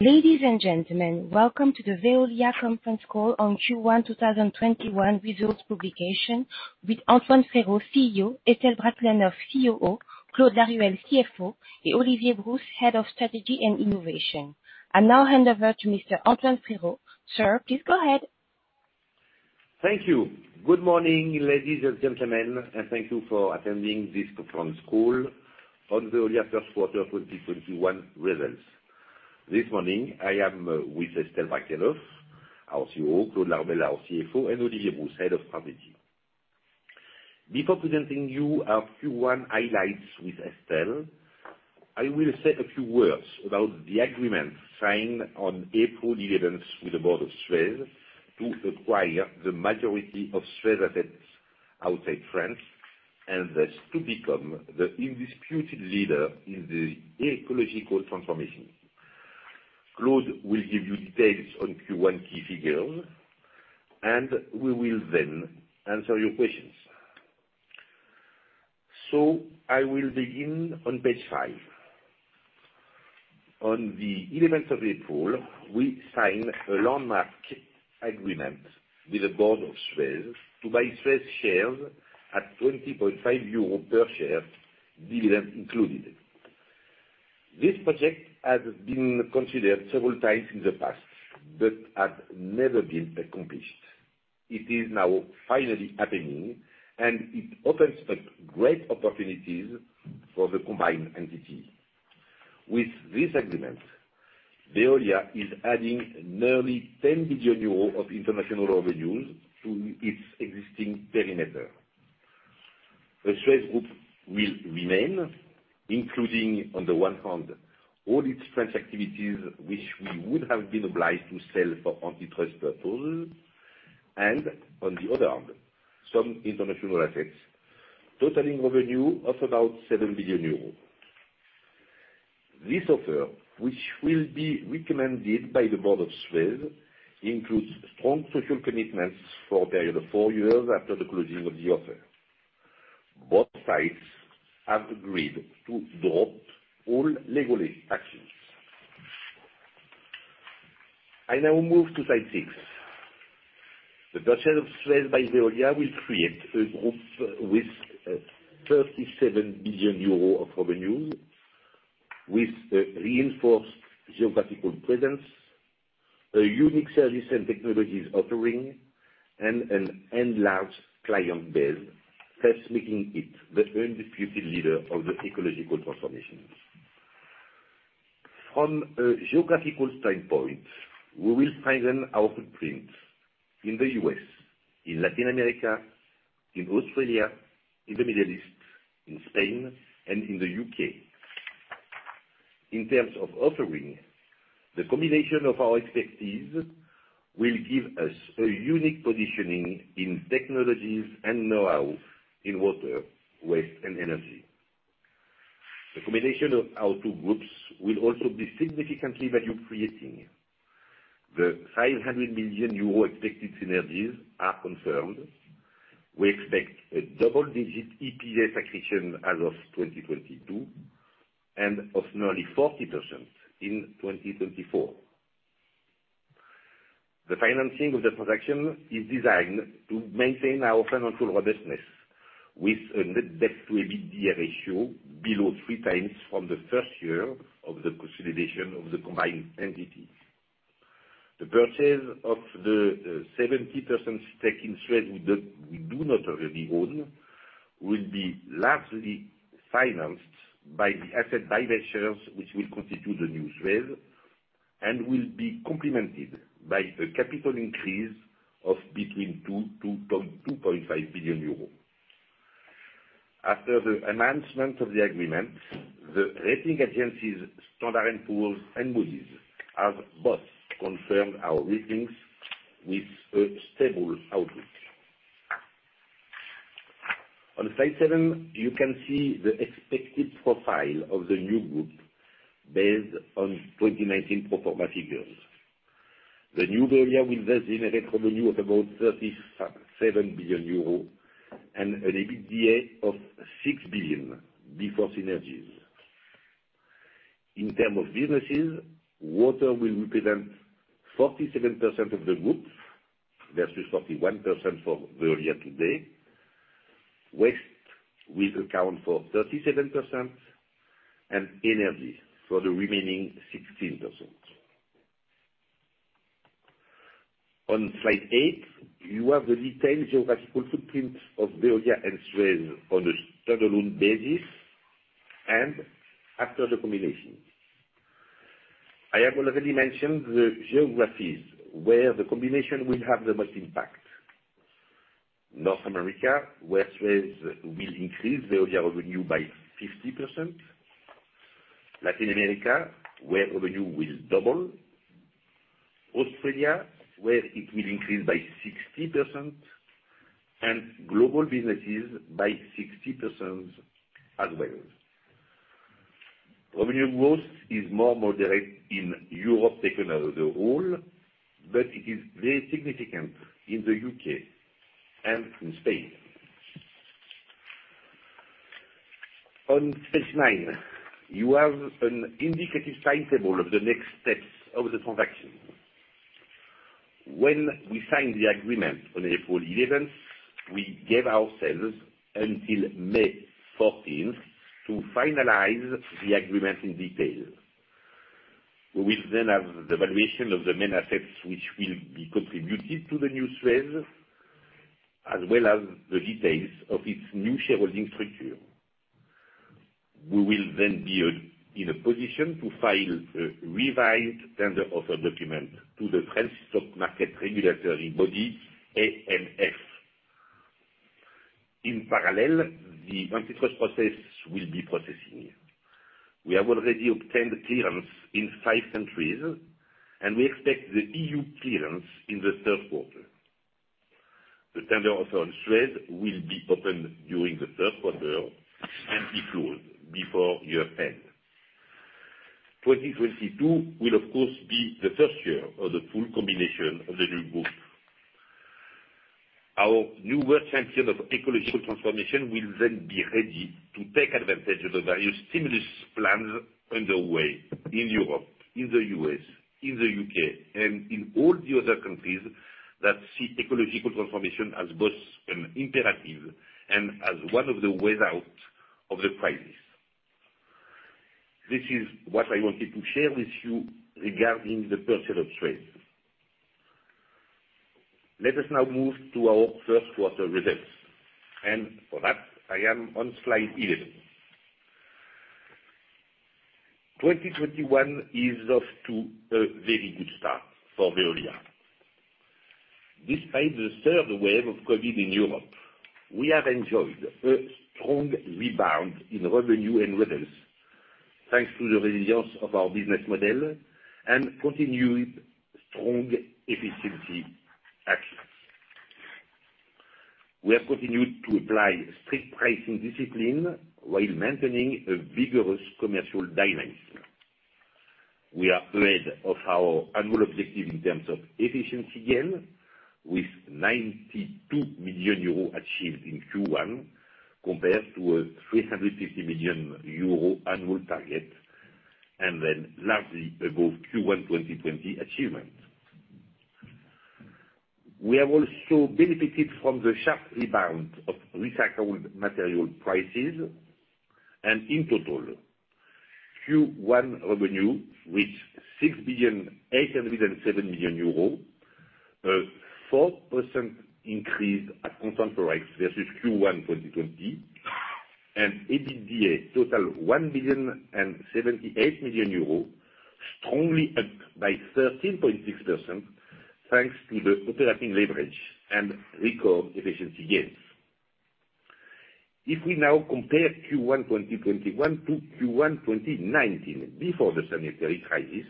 Ladies and gentlemen, welcome to the Veolia conference call on Q1 2021 results publication with Antoine Frérot, CEO, Estelle Brachlianoff, COO, Claude Laruelle, CFO, and Olivier Brousse, head of strategy and innovation. I now hand over to Mr. Antoine Frérot. Sir, please go ahead. Thank you. Good morning, ladies and gentlemen, and thank you for attending this conference call on Veolia first quarter 2021 results. This morning, I am with Estelle Brachlianoff, our COO, Claude Laruelle, our CFO, and Olivier Brousse, head of strategy. Before presenting you our Q1 highlights with Estelle, I will say a few words about the agreement signed on April 11th with the board of SUEZ to acquire the majority of SUEZ assets outside France, and thus to become the undisputed leader in the ecological transformation. Claude will give you details on Q1 key figures, and we will then answer your questions. I will begin on page five. On the 11th of April, we signed a landmark agreement with the board of SUEZ to buy SUEZ shares at 20.5 euro per share, dividend included. This project has been considered several times in the past, but has never been accomplished. It is now finally happening. It opens up great opportunities for the combined entity. With this agreement, Veolia is adding nearly 10 billion euros of international revenues to its existing perimeter. The SUEZ group will remain, including, on the one hand, all its French activities, which we would have been obliged to sell for antitrust purposes, and on the other hand, some international assets totaling revenue of about 7 billion euros. This offer, which will be recommended by the board of SUEZ, includes strong social commitments for a period of four years after the closing of the offer. Both sides have agreed to drop all legal actions. I now move to slide six. The purchase of SUEZ by Veolia will create a group with a 37 billion euro of revenue, with a reinforced geographical presence, a unique service and technologies offering, and an enlarged client base, thus making it the undisputed leader of the ecological transformations. From a geographical standpoint, we will strengthen our footprint in the U.S., in Latin America, in Australia, in the Middle East, in Spain, and in the U.K. In terms of offering, the combination of our expertise will give us a unique positioning in technologies and know-how in water, waste, and energy. The combination of our two groups will also be significantly value creating. The 500 million euro expected synergies are confirmed. We expect a double-digit EPS accretion as of 2022, and of nearly 40% in 2024. The financing of the transaction is designed to maintain our financial robustness with a net debt to EBITDA ratio below three times from the first year of the consolidation of the combined entity. The purchase of the 70% stake in SUEZ we do not already own will be largely financed by the asset divestitures, which will constitute the new SUEZ, and will be complemented by a capital increase of between 2 billion-2.5 billion euros. After the announcement of the agreement, the rating agencies, Standard & Poor's and Moody's, have both confirmed our ratings with a stable outlook. On slide seven, you can see the expected profile of the new group based on 2019 pro forma figures. The new Veolia will thus generate revenue of about 37 billion euros and an EBITDA of 6 billion before synergies. In term of businesses, water will represent 47% of the group versus 41% for Veolia today. Waste will account for 37%, and energy for the remaining 16%. On slide eight, you have the detailed geographical footprint of Veolia and SUEZ on a standalone basis and after the combination. I have already mentioned the geographies where the combination will have the most impact. North America, where SUEZ will increase Veolia revenue by 50%, Latin America, where revenue will double, Australia, where it will increase by 60%, and global businesses by 60% as well. Revenue growth is more moderate in Europe taken as a whole, but it is very significant in the U.K. and in Spain. On slide nine, you have an indicative timetable of the next steps of the transaction. When we signed the agreement on April 11th, we gave ourselves until May 14th to finalize the agreement in detail. We will then have the valuation of the main assets, which will be contributed to the new SUEZ, as well as the details of its new shareholding structure. We will then be in a position to file a revised tender offer document to the French stock market regulatory body, AMF. In parallel, the antitrust process will be processing. We have already obtained clearance in five countries. We expect the EU clearance in the third quarter. The tender offer on SUEZ will be opened during the third quarter and be closed before year-end. 2022 will, of course, be the first year of the full combination of the new group. Our new world champion of ecological transformation will then be ready to take advantage of the various stimulus plans underway in Europe, in the U.S., in the U.K., and in all the other countries that see ecological transformation as both an imperative and as one of the ways out of the crisis. This is what I wanted to share with you regarding the purchase of SUEZ. Let us now move to our first quarter results, and for that, I am on slide 11. 2021 is off to a very good start for Veolia. Despite the third wave of COVID in Europe, we have enjoyed a strong rebound in revenue and results, thanks to the resilience of our business model and continued strong efficiency actions. We have continued to apply strict pricing discipline while maintaining a vigorous commercial dynamic. We are ahead of our annual objective in terms of efficiency gain, with 92 million euros achieved in Q1, compared to a 350 million euro annual target, and then largely above Q1 2020 achievement. We have also benefited from the sharp rebound of recycled material prices, and in total, Q1 revenue reached 6,807 million euros, a 4% increase at constant Forex versus Q1 2020, and EBITDA total, 1,078 million euros, strongly up by 13.6%, thanks to the operating leverage and record efficiency gains. If we now compare Q1 2021-Q1 2019, before the sanitary crisis,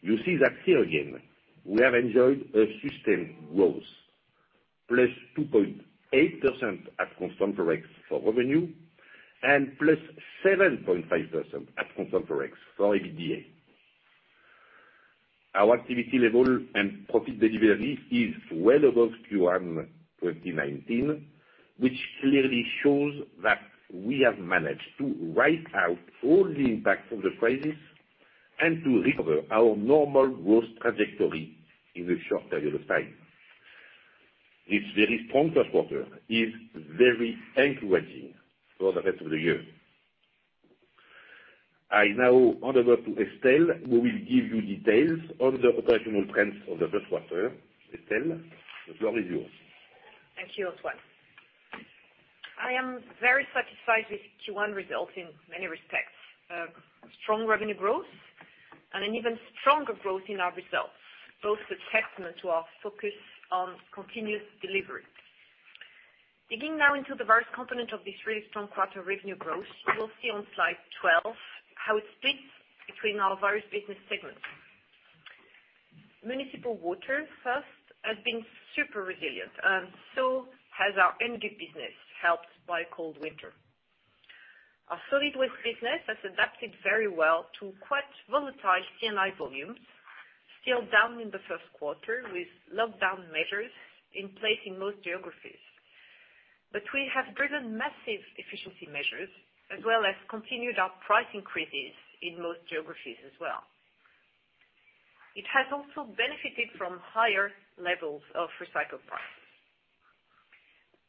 you see that here again, we have enjoyed a sustained growth, +2.8% at constant Forex for revenue, and +7.5% at constant Forex for EBITDA. Our activity level and profit delivery is well above Q1 2019, which clearly shows that we have managed to wipe out all the impact of the crisis and to recover our normal growth trajectory in a short period of time. This very strong first quarter is very encouraging for the rest of the year. I now hand over to Estelle, who will give you details on the operational trends of the first quarter. Estelle, the floor is yours. Thank you, Antoine. I am very satisfied with Q1 results in many respects. A strong revenue growth and an even stronger growth in our results, both a testament to our focus on continuous delivery. Digging now into the various components of this really strong quarter revenue growth, you will see on slide 12 how it splits between our various business segments. Municipal water, first, has been super resilient, and so has our energy business, helped by a cold winter. Our solid waste business has adapted very well to quite volatile C&I volumes, still down in the first quarter with lockdown measures in place in most geographies. We have driven massive efficiency measures, as well as continued our price increases in most geographies as well. It has also benefited from higher levels of recycled prices.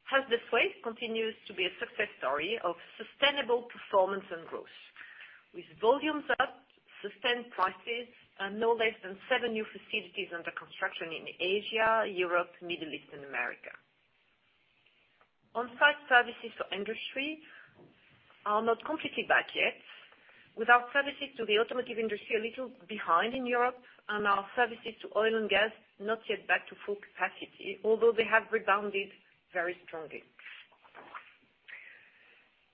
Hazardous waste continues to be a success story of sustainable performance and growth, with volumes up, sustained prices, and no less than seven new facilities under construction in Asia, Europe, Middle East, and America. Onsite services for industry are not completely back yet, with our services to the automotive industry a little behind in Europe, and our services to oil and gas not yet back to full capacity, although they have rebounded very strongly.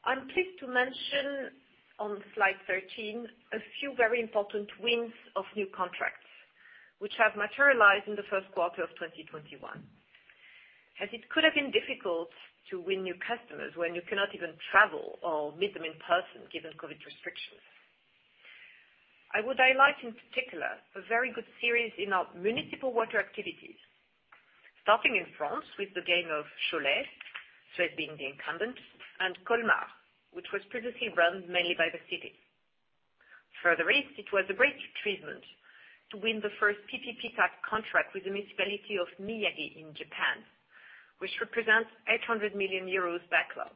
I'm pleased to mention on slide 13 a few very important wins of new contracts, which have materialized in the first quarter of 2021, as it could have been difficult to win new customers when you cannot even travel or meet them in person, given COVID restrictions. I would highlight in particular, a very good series in our municipal water activities, starting in France with the gain of Cholet, SUEZ being the incumbent, and Colmar, which was previously run mainly by the city. For the rest, it was a great achievement to win the first PPP type contract with the municipality of Miyagi in Japan, which represents 800 million euros backlog.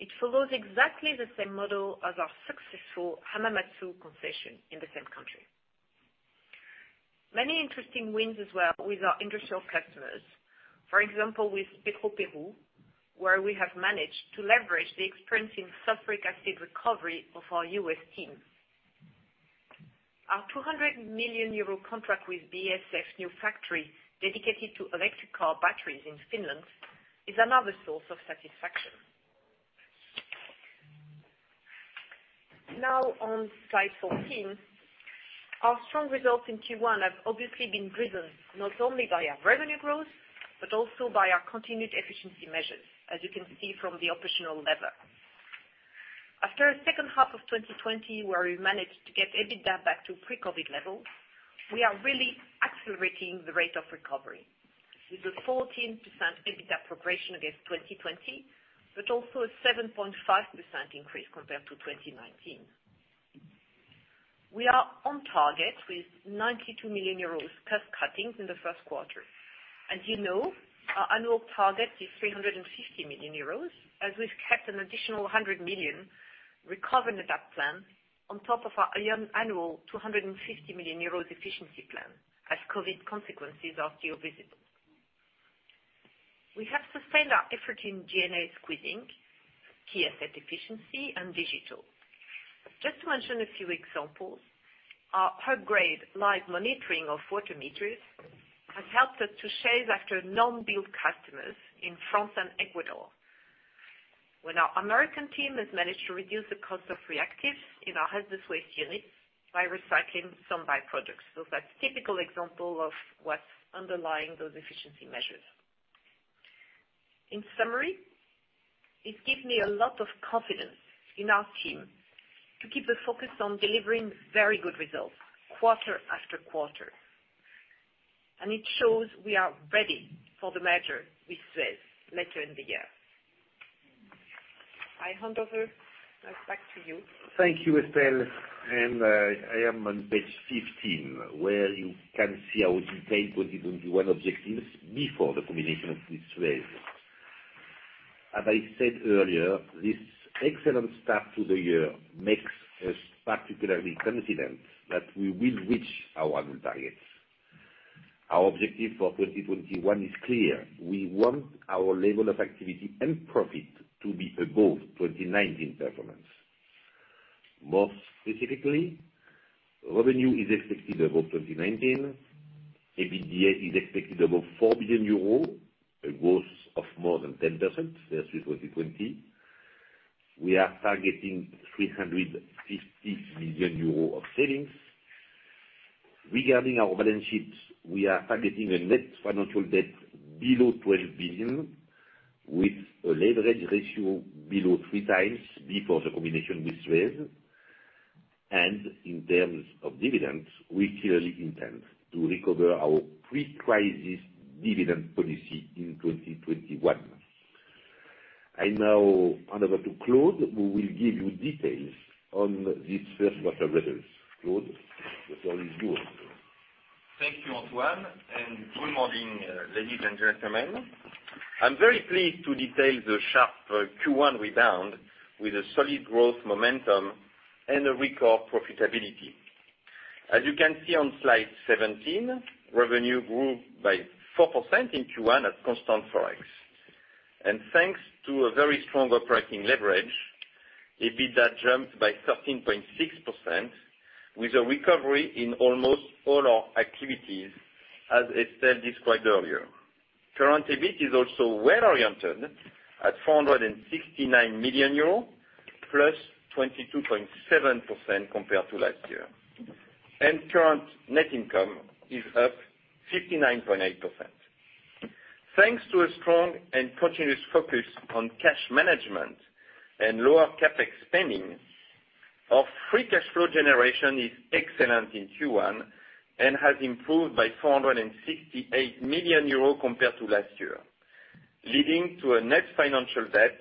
It follows exactly the same model as our successful Hamamatsu concession in the same country. Many interesting wins as well with our industrial customers. For example, with Petroperú, where we have managed to leverage the experience in sulfuric acid recovery of our U.S. team. Our 200 million euro contract with BASF's new factory dedicated to electric car batteries in Finland is another source of satisfaction. On slide 14. Our strong results in Q1 have obviously been driven not only by our revenue growth, but also by our continued efficiency measures, as you can see from the operational lever. After the second half of 2020, where we managed to get EBITDA back to pre-COVID levels, we are really accelerating the rate of recovery. With a 14% EBITDA progression against 2020, also a 7.5% increase compared to 2019. We are on target with 92 million euros cost cutting in the first quarter. As you know, our annual target is 350 million euros, as we've kept an additional 100 million recovery in the Recover & Adapt Plan on top of our annual 250 million euros efficiency plan, as COVID consequences are still visible. We have sustained our effort in G&A squeezing, key asset efficiency, and digital. Just to mention a few examples, our Hubgrade live monitoring of water meters has helped us to chase after non-billed customers in France and Ecuador. When our American team has managed to reduce the cost of reactive in our hazardous waste units by recycling some byproducts. That's a typical example of what's underlying those efficiency measures. In summary, it gives me a lot of confidence in our team to keep the focus on delivering very good results quarter after quarter. It shows we are ready for the merger with SUEZ later in the year. I hand over. Now it's back to you. Thank you, Estelle. I am on page 15, where you can see our detailed 2021 objectives before the combination with SUEZ. As I said earlier, this excellent start to the year makes us particularly confident that we will reach our annual targets. Our objective for 2021 is clear. We want our level of activity and profit to be above 2019 performance. More specifically, revenue is expected above 2019. EBITDA is expected above 4 billion euro, a growth of more than 10% versus 2020. We are targeting 350 million euros of savings. Regarding our balance sheets, we are targeting a net financial debt below 12 billion, with a leverage ratio below three times before the combination with SUEZ. In terms of dividends, we clearly intend to recover our pre-crisis dividend policy in 2021. I now hand over to Claude, who will give you details on these first quarter results. Claude, the floor is yours. Thank you, Antoine, and good morning, ladies and gentlemen. I'm very pleased to detail the sharp Q1 rebound with a solid growth momentum and a record profitability. As you can see on slide 17, revenue grew by 4% in Q1 at constant ForEx. Thanks to a very strong operating leverage, EBITDA jumped by 13.6% with a recovery in almost all our activities, as Estelle described earlier. Current EBIT is also well-oriented at 469 million euro, +22.7% compared to last year. Current net income is up 59.8%. Thanks to a strong and continuous focus on cash management and lower CapEx spending, our free cash flow generation is excellent in Q1 and has improved by 468 million euros compared to last year, leading to a net financial debt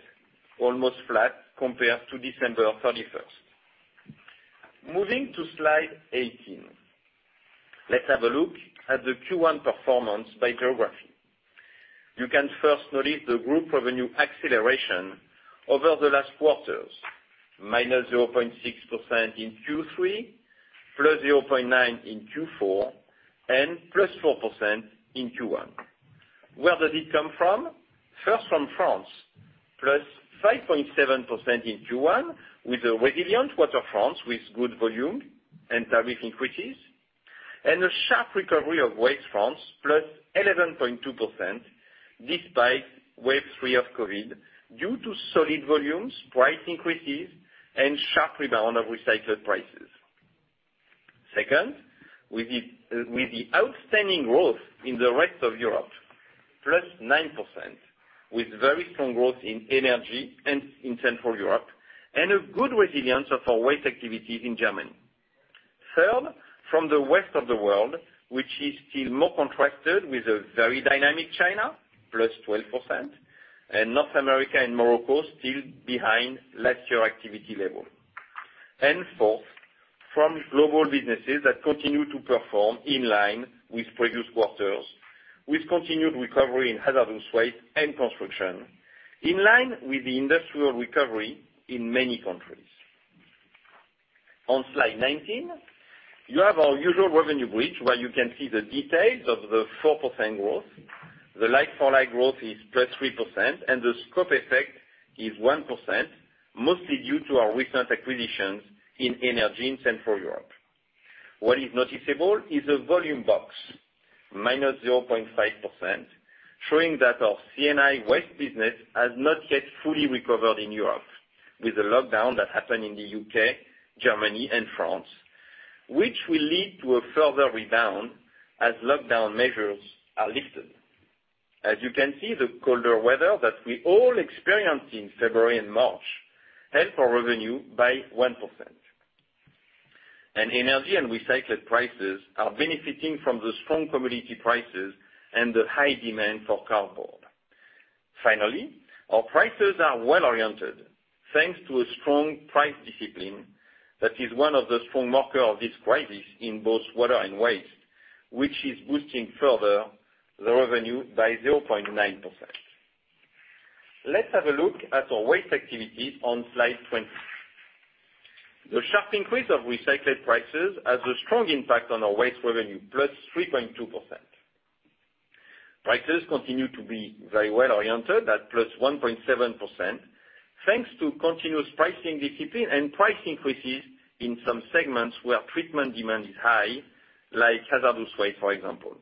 almost flat compared to December 31st. Moving to slide 18. Let's have a look at the Q1 performance by geography. You can first notice the group revenue acceleration over the last quarters, -0.6% in Q3, +0.9% in Q4, and +4% in Q1. Where did it come from? First, from France, +5.7% in Q1 with a resilient Water France with good volume and tariff increases, and a sharp recovery of Waste France, +11.2%, despite wave three of COVID due to solid volumes, price increases, and sharp rebound of recycled prices. Second, with the outstanding growth in the rest of Europe. +9%, with very strong growth in energy and in Central Europe, and a good resilience of our waste activity in Germany. Third, from the rest of the world, which is still more contracted with a very dynamic China, +12%, and North America and Morocco still behind last year activity level. Fourth, from global businesses that continue to perform in line with previous quarters, with continued recovery in hazardous waste and construction, in line with the industrial recovery in many countries. On slide 19, you have our usual revenue bridge, where you can see the details of the 4% growth. The like-for-like growth is +3%, and the scope effect is 1%, mostly due to our recent acquisitions in energy in Central Europe. What is noticeable is the volume box, -0.5%, showing that our C&I waste business has not yet fully recovered in Europe, with the lockdown that happened in the U.K., Germany and France, which will lead to a further rebound as lockdown measures are lifted. As you can see, the colder weather that we all experienced in February and March helped our revenue by 1%. Energy and recycled prices are benefiting from the strong commodity prices and the high demand for cardboard. Finally, our prices are well-oriented, thanks to a strong price discipline that is one of the strong marks of this crisis in both water and waste, which is boosting further the revenue by 0.9%. Let's have a look at our waste activity on slide 20. The sharp increase of recycled prices has a strong impact on our waste revenue, +3.2%. Prices continue to be very well-oriented at +1.7%, thanks to continuous pricing discipline and price increases in some segments where treatment demand is high, like hazardous waste, for example.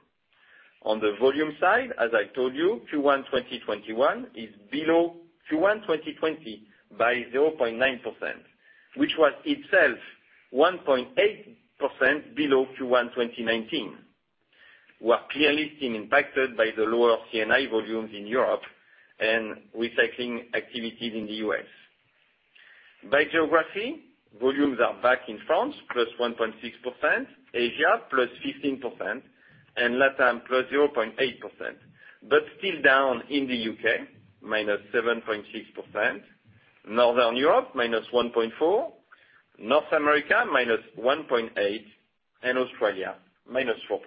On the volume side, as I told you, Q1 2021 is below Q1 2020 by 0.9%, which was itself 1.8% below Q1 2019. We are clearly still impacted by the lower C&I volumes in Europe and recycling activities in the U.S. By geography, volumes are back in France, +1.6%, Asia +15%, and LATAM +0.8%, but still down in the U.K., -7.6%, Northern Europe -1.4%, North America -1.8%, and Australia -4%.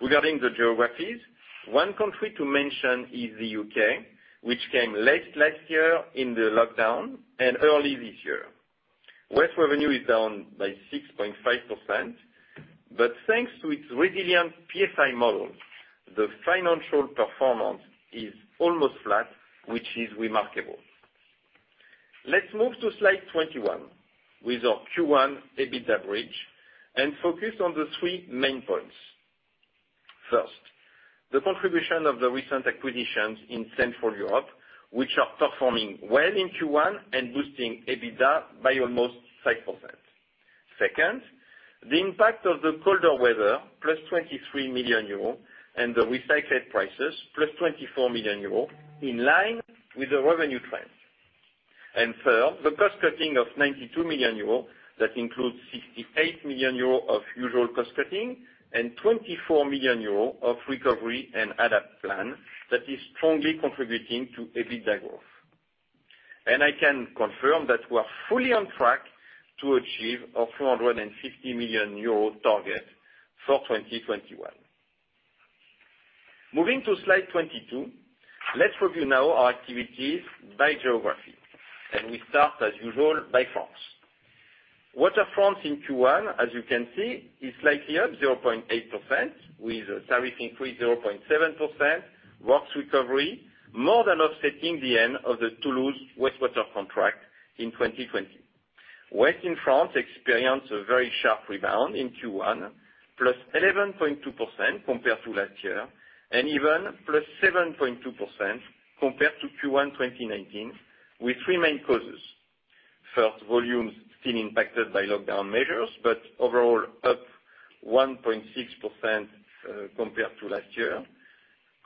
Regarding the geographies, one country to mention is the U.K., which came late last year in the lockdown and early this year. Waste revenue is down by 6.5%, but thanks to its resilient PFI model, the financial performance is almost flat, which is remarkable. Let's move to slide 21 with our Q1 EBITDA bridge and focus on the three main points. First, the contribution of the recent acquisitions in Central Europe, which are performing well in Q1 and boosting EBITDA by almost 5%. Second, the impact of the colder weather, +23 million euros, and the recycled prices, +24 million euros, in line with the revenue trend. Third, the cost-cutting of 92 million euros, that includes 68 million euros of usual cost-cutting and 24 million euros of Recover & Adapt Plan that is strongly contributing to EBITDA growth. I can confirm that we are fully on track to achieve our 350 million euro target for 2021. Moving to slide 22, let's review now our activities by geography. We start, as usual, by France. Water France in Q1, as you can see, is slightly up 0.8% with tariff increase 0.7%, works recovery, more than offsetting the end of the Toulouse wastewater contract in 2020. Waste France experienced a very sharp rebound in Q1, +11.2% compared to last year, and even +7.2% compared to Q1 2019, with three main causes. First, volumes still impacted by lockdown measures, but overall up 1.6% compared to last year.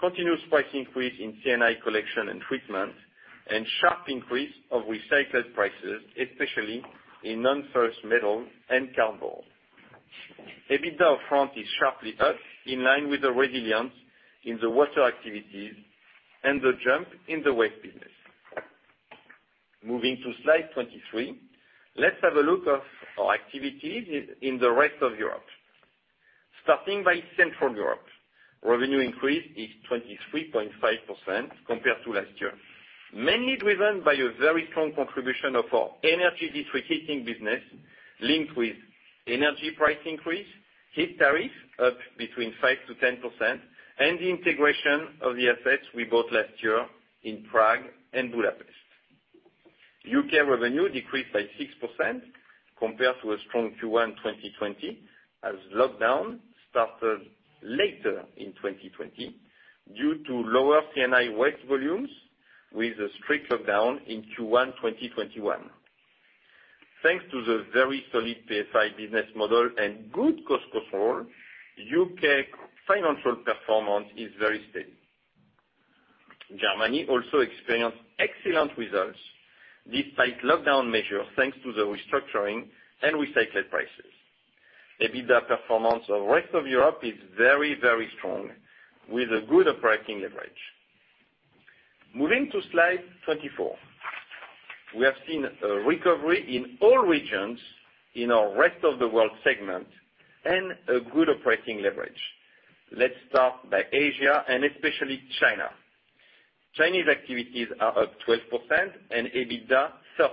Continuous price increase in C&I collection and treatment, and sharp increase of recycled prices, especially in non-ferrous metal and cardboard. EBITDA France is sharply up, in line with the resilience in the water activities and the jump in the waste business. Moving to slide 23. Let's have a look at our activities in the rest of Europe. Starting by Central Europe, revenue increase is 23.5% compared to last year, mainly driven by a very strong contribution of our energy district heating business linked with energy price increase, heat tariffs up between 5%-10%, and the integration of the assets we bought last year in Prague and Budapest. U.K. revenue decreased by 6% compared to a strong Q1 2020, as lockdown started later in 2020 due to lower C&I waste volumes with a strict lockdown in Q1 2021. Thanks to the very solid PFI business model and good cost control, U.K. financial performance is very steady. Germany also experienced excellent results despite lockdown measures, thanks to the restructuring and recycled prices. EBITDA performance of rest of Europe is very strong, with good operating leverage. Moving to slide 24. We have seen a recovery in all regions in our rest of the world segment and a good operating leverage. Let's start by Asia and especially China. Chinese activities are up 12% and EBITDA 30%,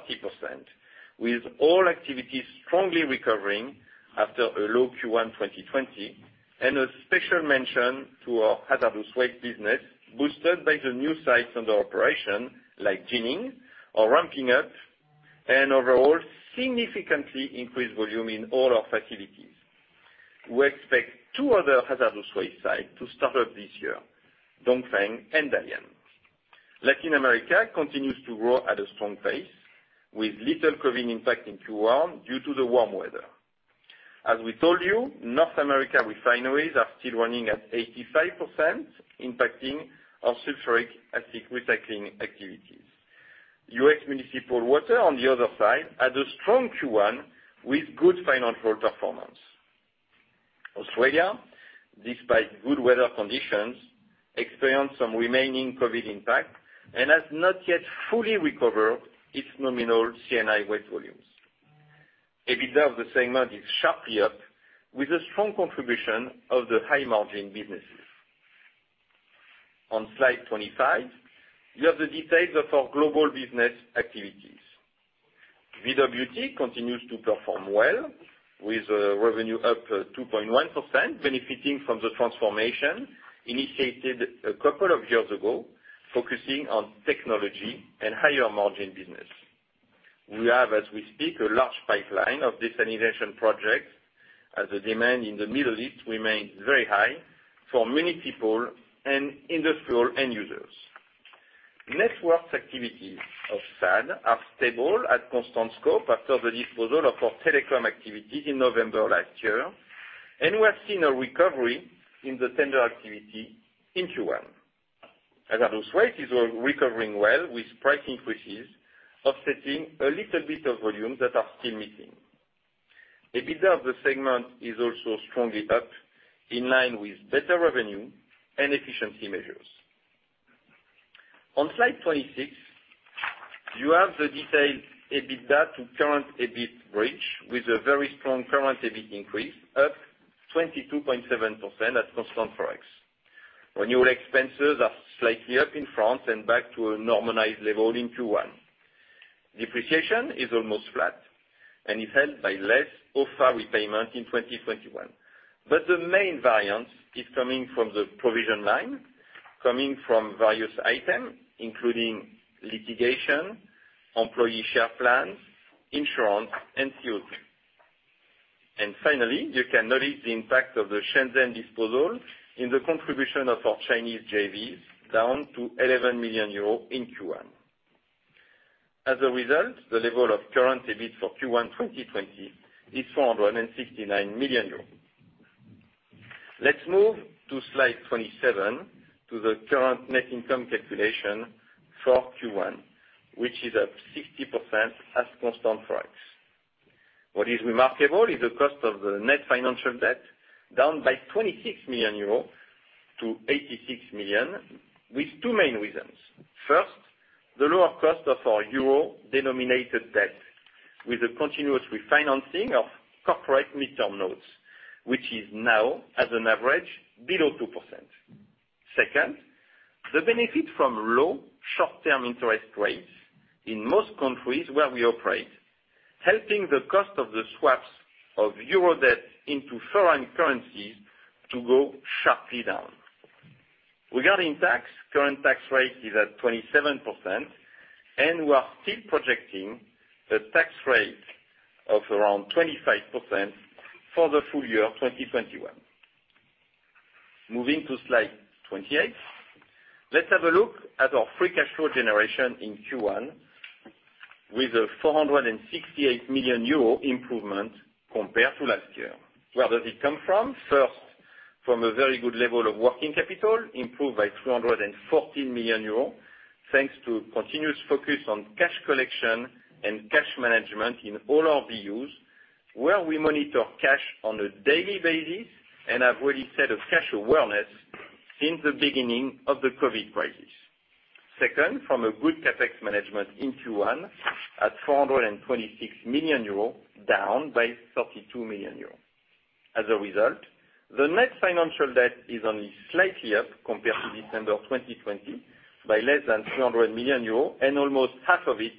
with all activities strongly recovering after a low Q1 2020, and a special mention to our hazardous waste business, boosted by the new sites under operation, like Jining, are ramping up and overall significantly increased volume in all our facilities. We expect two other hazardous waste sites to start up this year, Dongfeng and Dalian. Latin America continues to grow at a strong pace, with little COVID impact in Q1 due to the warm weather. As we told you, North America refineries are still running at 85%, impacting our sulfuric acid recycling activities. U.S. municipal water, on the other side, had a strong Q1 with good financial performance. Australia, despite good weather conditions, experienced some remaining COVID impact and has not yet fully recovered its nominal C&I waste volumes. EBITDA of the segment is sharply up, with the strong contribution of the high-margin businesses. On slide 25, you have the details of our global business activities. VWT continues to perform well, with revenue up 2.1%, benefiting from the transformation initiated a couple of years ago, focusing on technology and higher margin business. We have, as we speak, a large pipeline of desalination projects, as the demand in the Middle East remains very high for many people and industrial end users. Networks activities of SADE are stable at constant scope after the disposal of our telecom activities in November last year. We have seen a recovery in the tender activity in Q1. Hazardous waste is recovering well, with price increases offsetting a little bit of volumes that are still missing. EBITDA of the segment is also strongly up, in line with better revenue and efficiency measures. On slide 26, you have the detailed EBITDA to current EBIT bridge, with a very strong current EBIT increase, up 22.7% at constant ForEx. Renewal expenses are slightly up in France and back to a normalized level in Q1. Depreciation is almost flat and is helped by less OFA repayment in 2021. The main variance is coming from the provision line, coming from various items, including litigation, employee share plans, insurance. Finally, you can notice the impact of the Shenzhen disposal in the contribution of our Chinese JVs, down to 11 million euros in Q1. As a result, the level of current EBIT for Q1 2020 is 469 million euros. Let's move to slide 27, to the current net income calculation for Q1, which is up 60% at constant ForEx. What is remarkable is the cost of the net financial debt, down by 26 million euros to 86 million, with two main reasons. First, the lower cost of our euro-denominated debt, with the continuous refinancing of corporate midterm notes, which is now, at an average, below 2%. Second, the benefit from low short-term interest rates in most countries where we operate, helping the cost of the swaps of euro debt into foreign currencies to go sharply down. Regarding tax, current tax rate is at 27%, and we are still projecting a tax rate of around 25% for the full year 2021. Moving to slide 28. Let's have a look at our free cash flow generation in Q1, with a 468 million euro improvement compared to last year. Where does it come from? First, from a very good level of working capital, improved by 314 million euros, thanks to continuous focus on cash collection and cash management in all our BUs, where we monitor cash on a daily basis and have really set a cash awareness since the beginning of the COVID crisis. Second, from a good CapEx management in Q1, at 426 million euros, down by 32 million euros. As a result, the net financial debt is only slightly up compared to December 2020, by less than 300 million euros, and almost half of it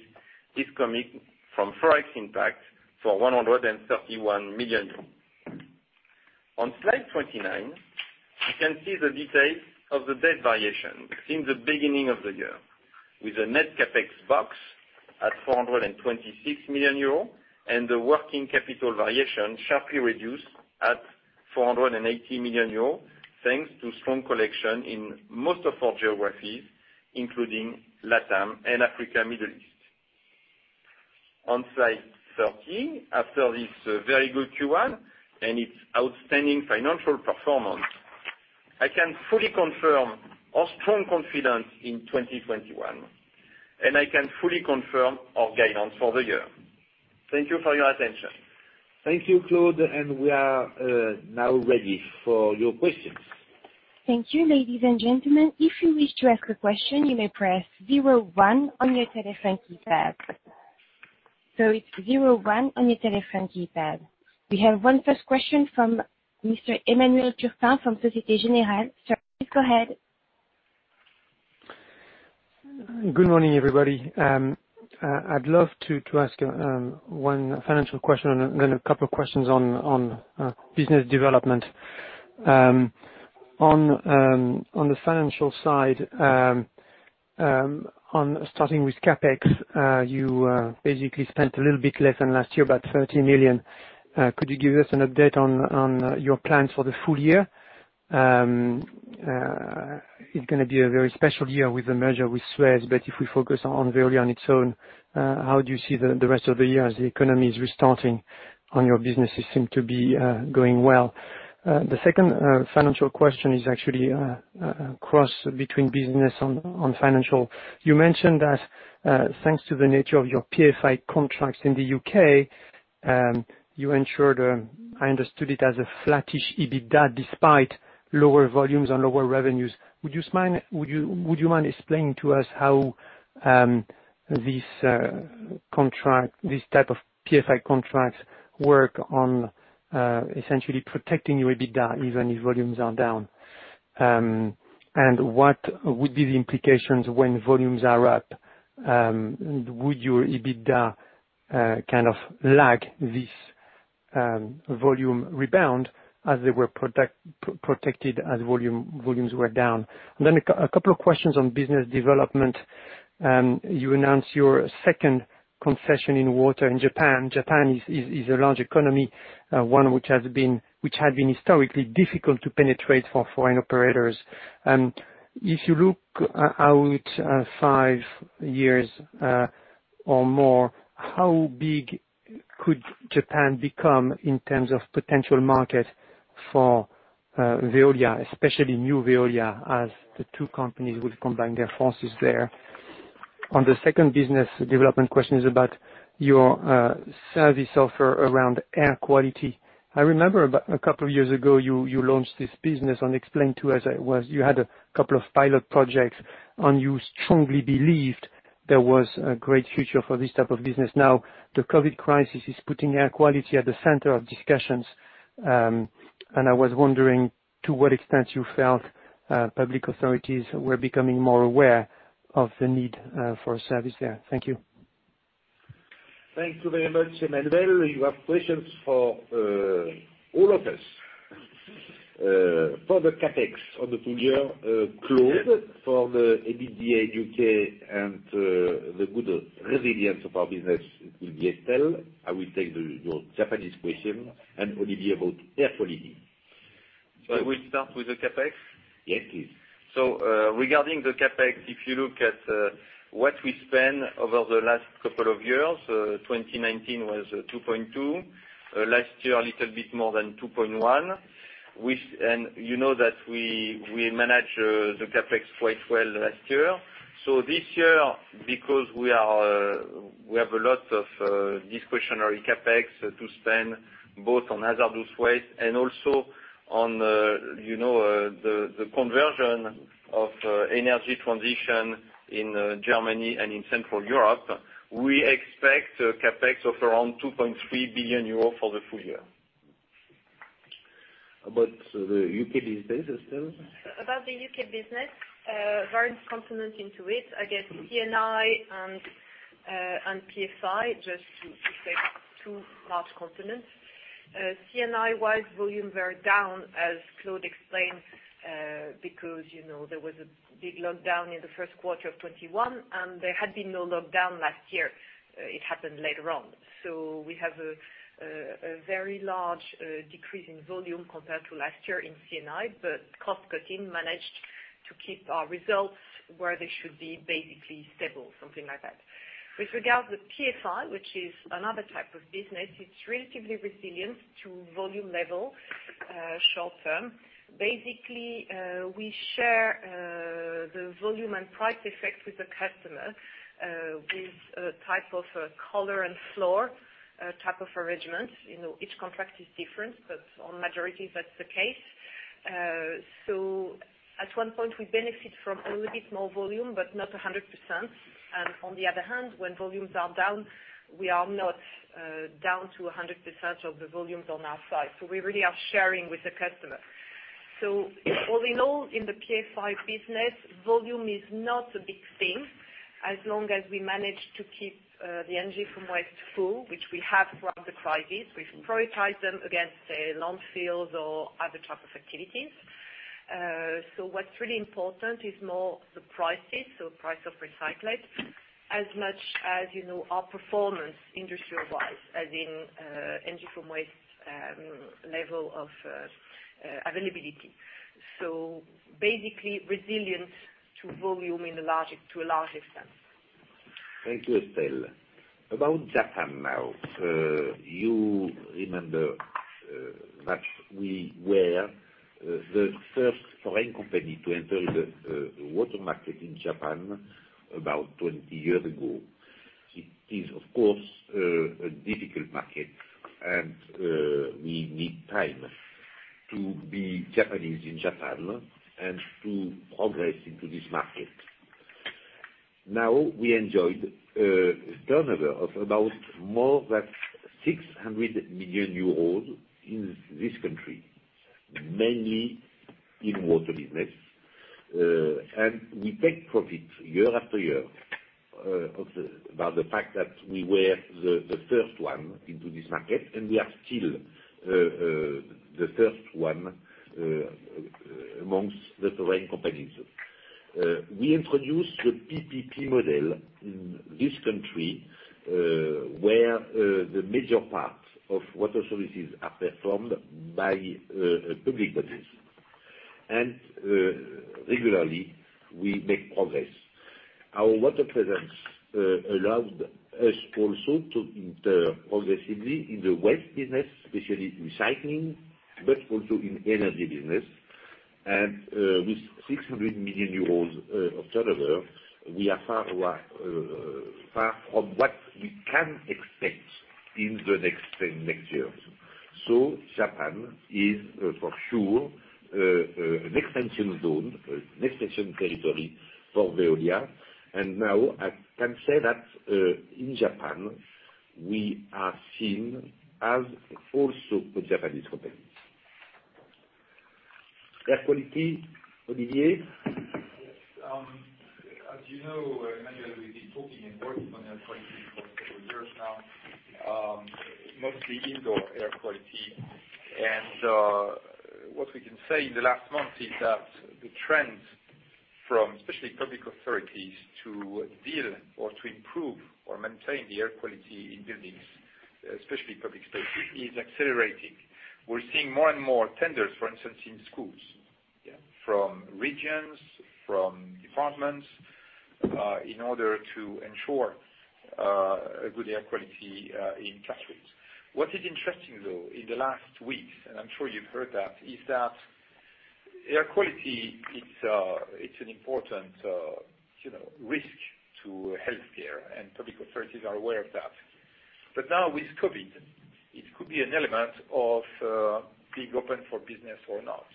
is coming from ForEx impact, so 131 million euros. On slide 29, you can see the details of the debt variation since the beginning of the year, with a net CapEx box at 426 million euros and the working capital variation sharply reduced at 480 million euros, thanks to strong collection in most of our geographies, including LATAM and Africa, Middle East. On slide 13, after this very good Q1 and its outstanding financial performance, I can fully confirm our strong confidence in 2021, and I can fully confirm our guidance for the year. Thank you for your attention. Thank you, Claude. We are now ready for your questions. Thank you, ladies and gentlemen. If you wish to ask a question, you may press zero one on your telephone keypad. It's zero one on your telephone keypad. We have one first question from Mr. Emmanuel Turpin from Société Générale. Sir, please go ahead. Good morning, everybody. I'd love to ask one financial question and then a couple of questions on business development. On the financial side, starting with CapEx, you basically spent a little bit less than last year, about 30 million. Could you give us an update on your plans for the full year? It's going to be a very special year with the merger with SUEZ, if we focus on Veolia on its own, how do you see the rest of the year as the economy is restarting and your businesses seem to be going well? The second financial question is actually a cross between business and financial. You mentioned that, thanks to the nature of your PFI contracts in the U.K., you ensured, I understood it as a flattish EBITDA, despite lower volumes and lower revenues. Would you mind explaining to us how this type of PFI contracts work on essentially protecting your EBITDA even if volumes are down? What would be the implications when volumes are up? Would your EBITDA kind of lag this volume rebound as they were protected as volumes were down? A couple of questions on business development. You announced your second concession in water in Japan. Japan is a large economy, one which had been historically difficult to penetrate for foreign operators. If you look out five years or more, how big could Japan become in terms of potential market for Veolia, especially new Veolia, as the two companies will combine their forces there? The second business development question is about your service offer around air quality. I remember a couple of years ago, you launched this business and explained to us you had a couple of pilot projects. You strongly believed there was a great future for this type of business. Now, the COVID crisis is putting air quality at the center of discussions. I was wondering to what extent you felt public authorities were becoming more aware of the need for a service there. Thank you. Thank you very much, Emmanuel. You have questions for all of us. For the CapEx on the full year, Claude. For the EBITDA U.K. and the good resilience of our business, it will be Estelle. I will take your Japanese question, and Olivier about air quality. We start with the CapEx? Yes, please. Regarding the CapEx, if you look at what we spent over the last couple of years, 2019 was 2.2 billion. Last year, a little bit more than 2.1 billion. You know that we managed the CapEx quite well last year. This year, because we have a lot of discretionary CapEx to spend both on hazardous waste and also on the conversion of energy transition in Germany and in Central Europe, we expect CapEx of around 2.3 billion euros for the full year. About the U.K. business, Estelle. About the U.K. business, various components into it, I guess C&I and PFI, just to say two large components. C&I-wise, volumes are down, as Claude explained, because there was a big lockdown in the first quarter of 2021. There had been no lockdown last year. It happened later on. We have a very large decrease in volume compared to last year in C&I. Cost-cutting managed to keep our results where they should be, basically stable, something like that. With regard to PFI, which is another type of business, it's relatively resilient to volume level short term. Basically, we share the volume and price effect with the customer, with a type of collar and floor type of arrangement. Each contract is different. On majority that's the case. At one point we benefit from a little bit more volume, but not 100%. On the other hand, when volumes are down, we are not down to 100% of the volumes on our side. We really are sharing with the customer. All in all, in the PFI business, volume is not a big thing as long as we manage to keep the energy from waste full, which we have throughout the crisis. We've prioritized them against the landfills or other type of activities. What's really important is more the prices, price of recyclate, as much as our performance industry-wise as in energy from waste level of availability. Basically resilience to volume to a large extent. Thank you, Estelle. About Japan now. You remember that we were the first foreign company to enter the water market in Japan about 20 years ago. It is, of course, a difficult market and we need time to be Japanese in Japan and to progress into this market. We enjoyed a turnover of about more than 600 million euros in this country, mainly in water business. We take profit year after year by the fact that we were the first one into this market, and we are still the first one amongst the foreign companies. We introduced the PPP model in this country, where the major parts of water services are performed by public bodies, and regularly we make progress. Our water presence allowed us also to enter progressively in the waste business, especially recycling, but also in energy business. With 600 million euros of turnover, we are far of what we can expect in the next 10, next years. Japan is for sure an expansion zone, expansion territory for Veolia. Now I can say that in Japan we are seen as also a Japanese company. Air quality, Olivier Brousse? Yes. As you know, Emmanuel, we've been talking and working on air quality for several years now, mostly indoor air quality. What we can say in the last month is that the trends from especially public authorities to deal or to improve or maintain the air quality in buildings, especially public spaces, is accelerating. We're seeing more and more tenders, for instance, in schools from regions, from departments, in order to ensure a good air quality in classrooms. What is interesting, though, in the last week, and I'm sure you've heard that, is that air quality, it's an important risk to healthcare and public authorities are aware of that. Now with COVID, it could be an element of being open for business or not.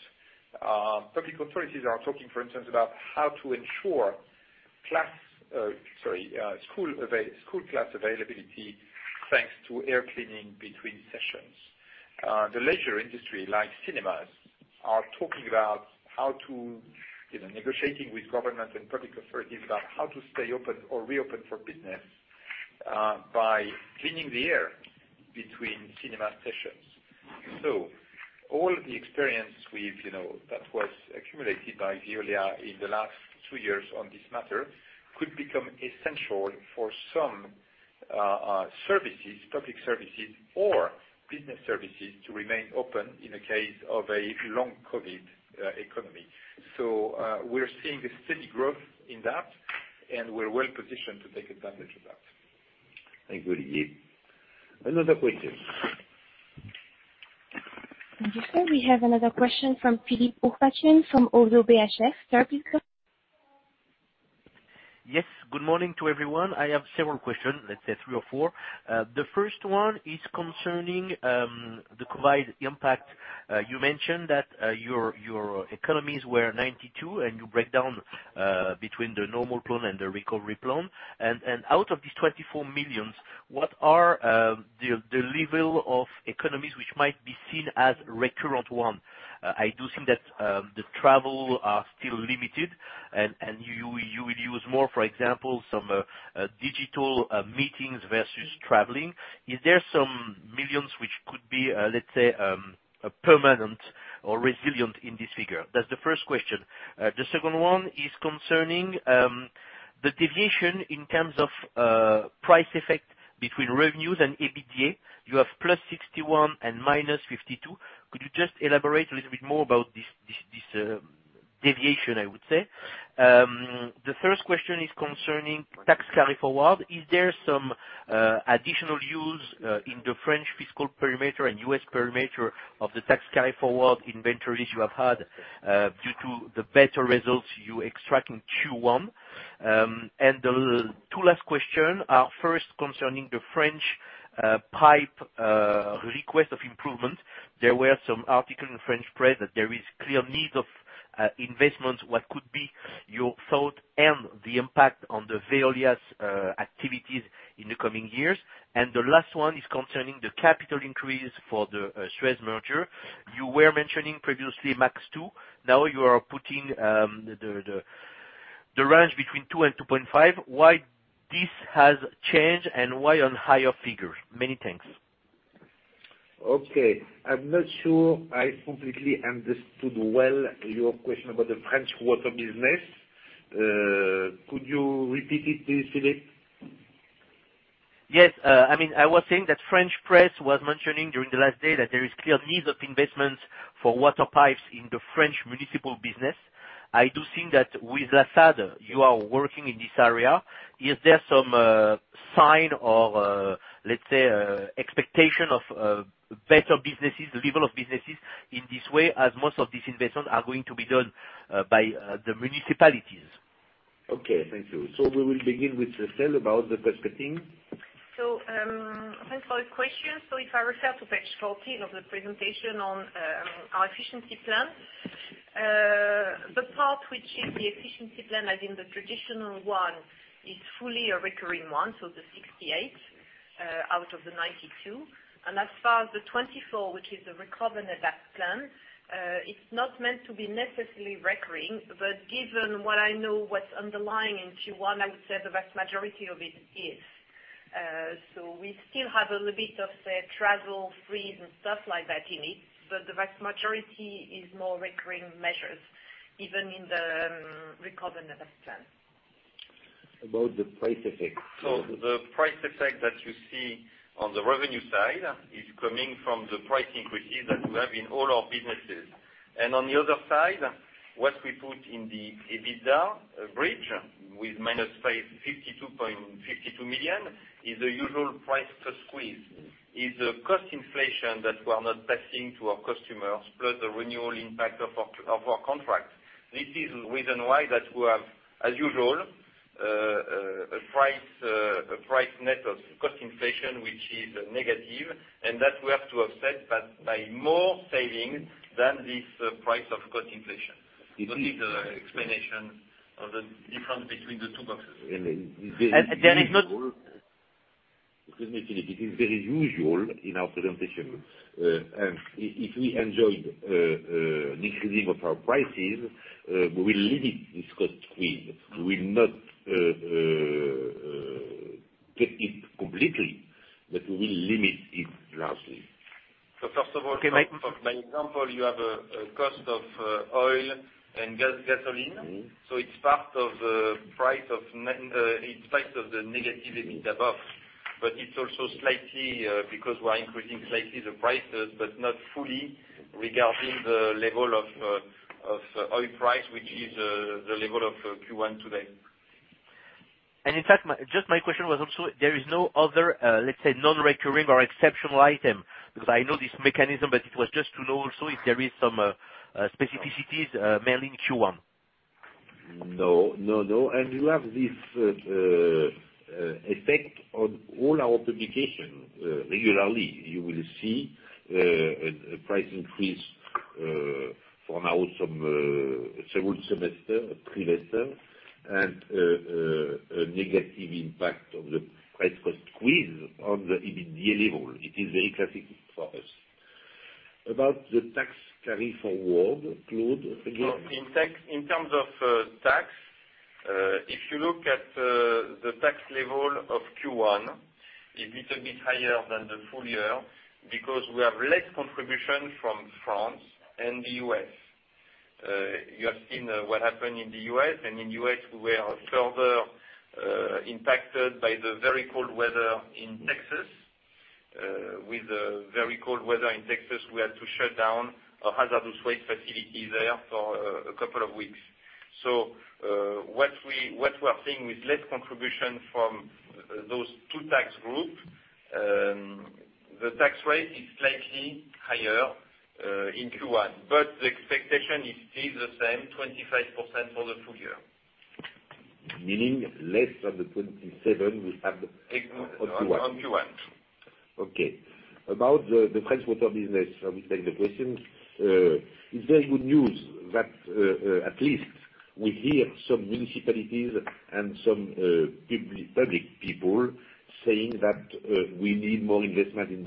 Public authorities are talking, for instance, about how to ensure school class availability thanks to air cleaning between sessions. The leisure industry, like cinemas, are talking about how to negotiate with government and public authorities about how to stay open or reopen for business by cleaning the air between cinema sessions. All the experience that was accumulated by Veolia in the last two years on this matter could become essential for some services, public services or business services, to remain open in the case of a long COVID economy. We're seeing a steady growth in that, and we're well positioned to take advantage of that. Thank you, Olivier. Another question. Thank you, sir. We have another question from Philippe Ourpatian from ODDO BHF. Sir please go ahead. Yes. Good morning to everyone. I have several questions, let's say three or four. The first one is concerning the COVID impact. You mentioned that your economies were 92 million, you break down between the normal plan and the Recover & Adapt Plan. Out of these 24 million, what are the level of economies which might be seen as recurrent one? I do think that the travel are still limited and you will use more, for example, some digital meetings versus traveling. Is there some millions which could be, let's say, permanent or resilient in this figure? That's the first question. The second one is concerning the deviation in terms of price effect between revenues and EBITDA. You have +61 million and -52 million. Could you just elaborate a little bit more about this deviation, I would say? The third question is concerning tax carry-forward. Is there some additional use in the French fiscal perimeter and U.S. perimeter of the tax carry forward inventories you have had due to the better results you extract in Q1? The two last question are first concerning the French pipe request of improvement. There were some article in French press that there is clear need of investment. What could be your thought and the impact on the Veolia's activities in the coming years? The last one is concerning the capital increase for the SUEZ merger. You were mentioning previously max 2 billion. Now you are putting the range between 2 billion and 2.5 billion. Why this has changed and why on higher figures? Many thanks. Okay. I'm not sure I completely understood well your question about the Water France business. Could you repeat it please, Philippe? Yes. I was saying that French press was mentioning during the last day that there is clear need of investments for water pipes in the French municipal business. I do think that with SADE, you are working in this area. Is there some sign or, let's say, expectation of better businesses, level of businesses in this way, as most of these investments are going to be done by the municipalities? Okay, thank you. We will begin with Estelle about the prospecting. Thanks for the question. If I refer to page 14 of the presentation on our efficiency plan. The part which is the efficiency plan, as in the traditional one, is fully a recurring one, so the 68 million out of the 92 million. As far as the 24 million, which is the Recover & Adapt Plan, it's not meant to be necessarily recurring. Given what I know what's underlying in Q1, I would say the vast majority of it is. We still have a little bit of, say, travel freeze and stuff like that in it. The vast majority is more recurring measures, even in the Recover & Adapt Plan. About the price effect. The price effect that you see on the revenue side is coming from the price increases that we have in all our businesses. On the other side, what we put in the EBITDA bridge with -52 million is the usual price to squeeze. Is the cost inflation that we are not passing to our customers, plus the renewal impact of our contract. This is the reason why that we have, as usual, a price net of cost inflation, which is negative, and that we have to offset, but by more savings than this price of cost inflation. That is the explanation of the difference between the two boxes. And there is usual- There is not- Excuse me, Philippe. It is very usual in our presentation. If we enjoyed an increasing of our prices, we will limit this cost squeeze. We will not take it completely, but we will limit it largely. So first of all- Okay. For example, you have a cost of oil and gasoline. It's part of the price of the negative EBITDA above. It's also slightly, because we're increasing slightly the prices, but not fully regarding the level of oil price, which is the level of Q1 today. In fact, just my question was also, there is no other, let's say, non-recurring or exceptional item? I know this mechanism, but it was just to know also if there is some specificities, mainly in Q1. No. You have this effect on all our publication regularly. You will see a price increase for now some second semester, pre-semester, and a negative impact of the price cost squeeze on the EBITDA level. It is very classic for us. About the tax carry forward, Claude, again. In terms of tax, if you look at the tax level of Q1, it is a bit higher than the full year, because we have less contribution from France and the U.S. You have seen what happened in the U.S., and in U.S., we were further impacted by the very cold weather in Texas. With the very cold weather in Texas, we had to shut down a hazardous waste facility there for a couple of weeks. What we are seeing with less contribution from those two tax groups, the tax rate is slightly higher in Q1. The expectation is still the same, 25% for the full year. Meaning less than the 27% we had on Q1. On Q1. Okay. About the French water business, we take the question. It's very good news that at least we hear some municipalities and some public people saying that we need more investment in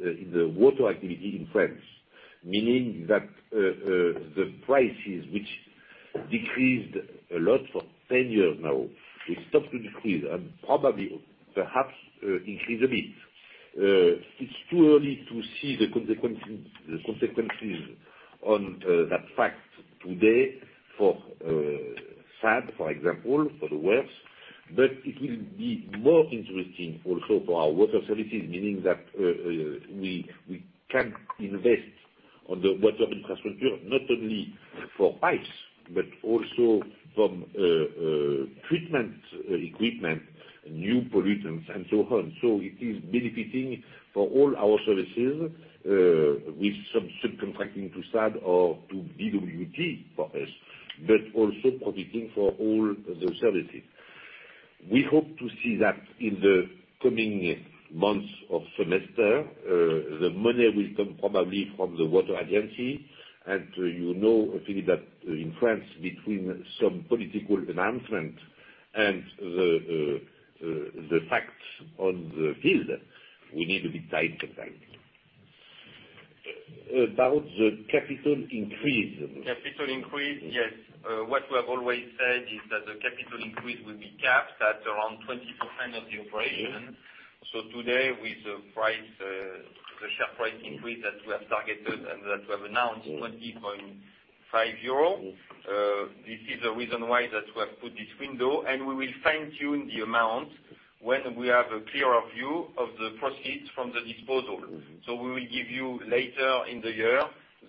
the water activity in France. Meaning that the prices which decreased a lot for 10 years now, will stop to decrease and probably, perhaps, increase a bit. It's too early to see the consequences on that fact today for SADE, for example, for the works. It will be more interesting also for our water services, meaning that we can invest on the water infrastructure, not only for pipes, but also from treatment equipment, new pollutants, and so on. It is benefiting for all our services, with some subcontracting to SADE or to VWT for us, but also profiting for all the services. We hope to see that in the coming months or semester, the money will come probably from the water agency. You know, Philippe, that in France, between some political announcement and the facts on the field, we need a bit time sometimes. About the capital increase. Capital increase, yes. What we have always said is that the capital increase will be capped at around 20% of the operation. Yes. Today with the share price increase that we have targeted and that we have announced, 20.5 euro, this is the reason why that we have put this window, and we will fine-tune the amount when we have a clearer view of the proceeds from the disposal. We will give you later in the year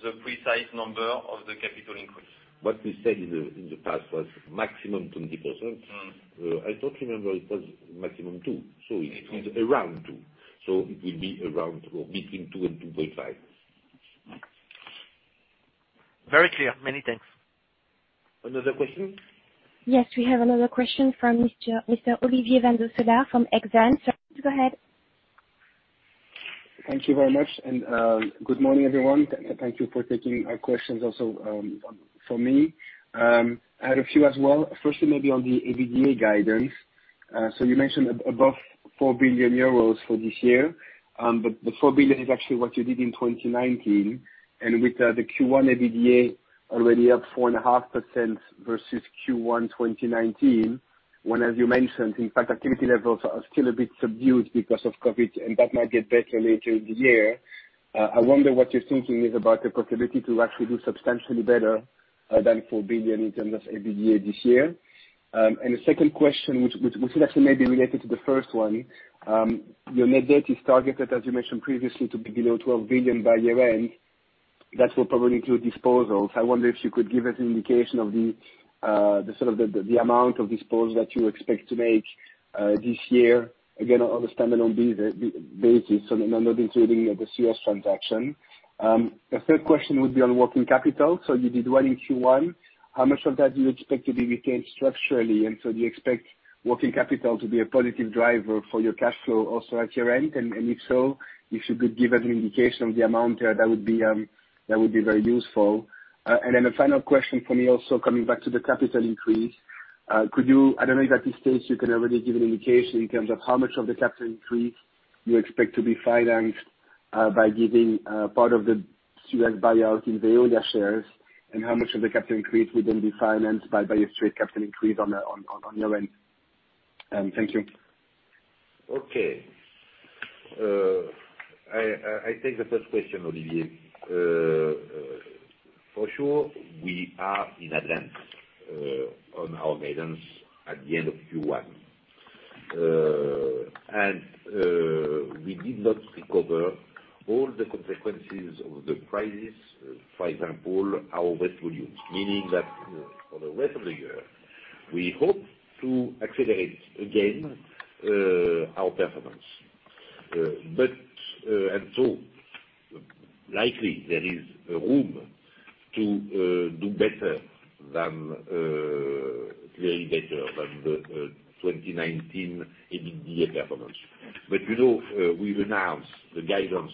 the precise number of the capital increase. What we said in the past was maximum 20%. I thought remember it was maximum two. It is around two. It will be between two and 2.5. Very clear. Many thanks. Another question? Yes, we have another question from Mr. Olivier Van Belleghem from Exane. Sir, go ahead. Thank you very much. Good morning, everyone. Thank you for taking our questions also for me. I had a few as well. First, maybe on the EBITDA guidance. You mentioned above 4 billion euros for this year. The 4 billion is actually what you did in 2019, and with the Q1 EBITDA already up 4.5% versus Q1 2019, when, as you mentioned, in fact, activity levels are still a bit subdued because of COVID, and that might get better later in the year. I wonder what your thinking is about the possibility to actually do substantially better than 4 billion in terms of EBITDA this year. The second question, which is actually maybe related to the first one, your net debt is targeted, as you mentioned previously, to be below 12 billion by year-end. That will probably include disposals. I wonder if you could give us an indication of the amount of disposals that you expect to make this year. Again, on a standalone basis, so not including the SUEZ transaction. A third question would be on working capital. You did well in Q1, how much of that do you expect to be retained structurally? Do you expect working capital to be a positive driver for your cash flow also at year-end? If so, if you could give us an indication of the amount, that would be very useful. Then a final question from me, also coming back to the capital increase. I don't know if at this stage you can already give an indication in terms of how much of the capital increase you expect to be financed by giving part of the SUEZ buyout in Veolia shares, and how much of the capital increase would then be financed by a straight capital increase on your end. Thank you. Okay. I take the first question, Olivier. For sure, we are in advance on our guidance at the end of Q1. We did not recover all the consequences of the crisis. For example, our waste volumes, meaning that for the rest of the year, we hope to accelerate again our performance. So likely there is room to do better than, clearly better than the 2019 EBITDA performance. We've announced the guidance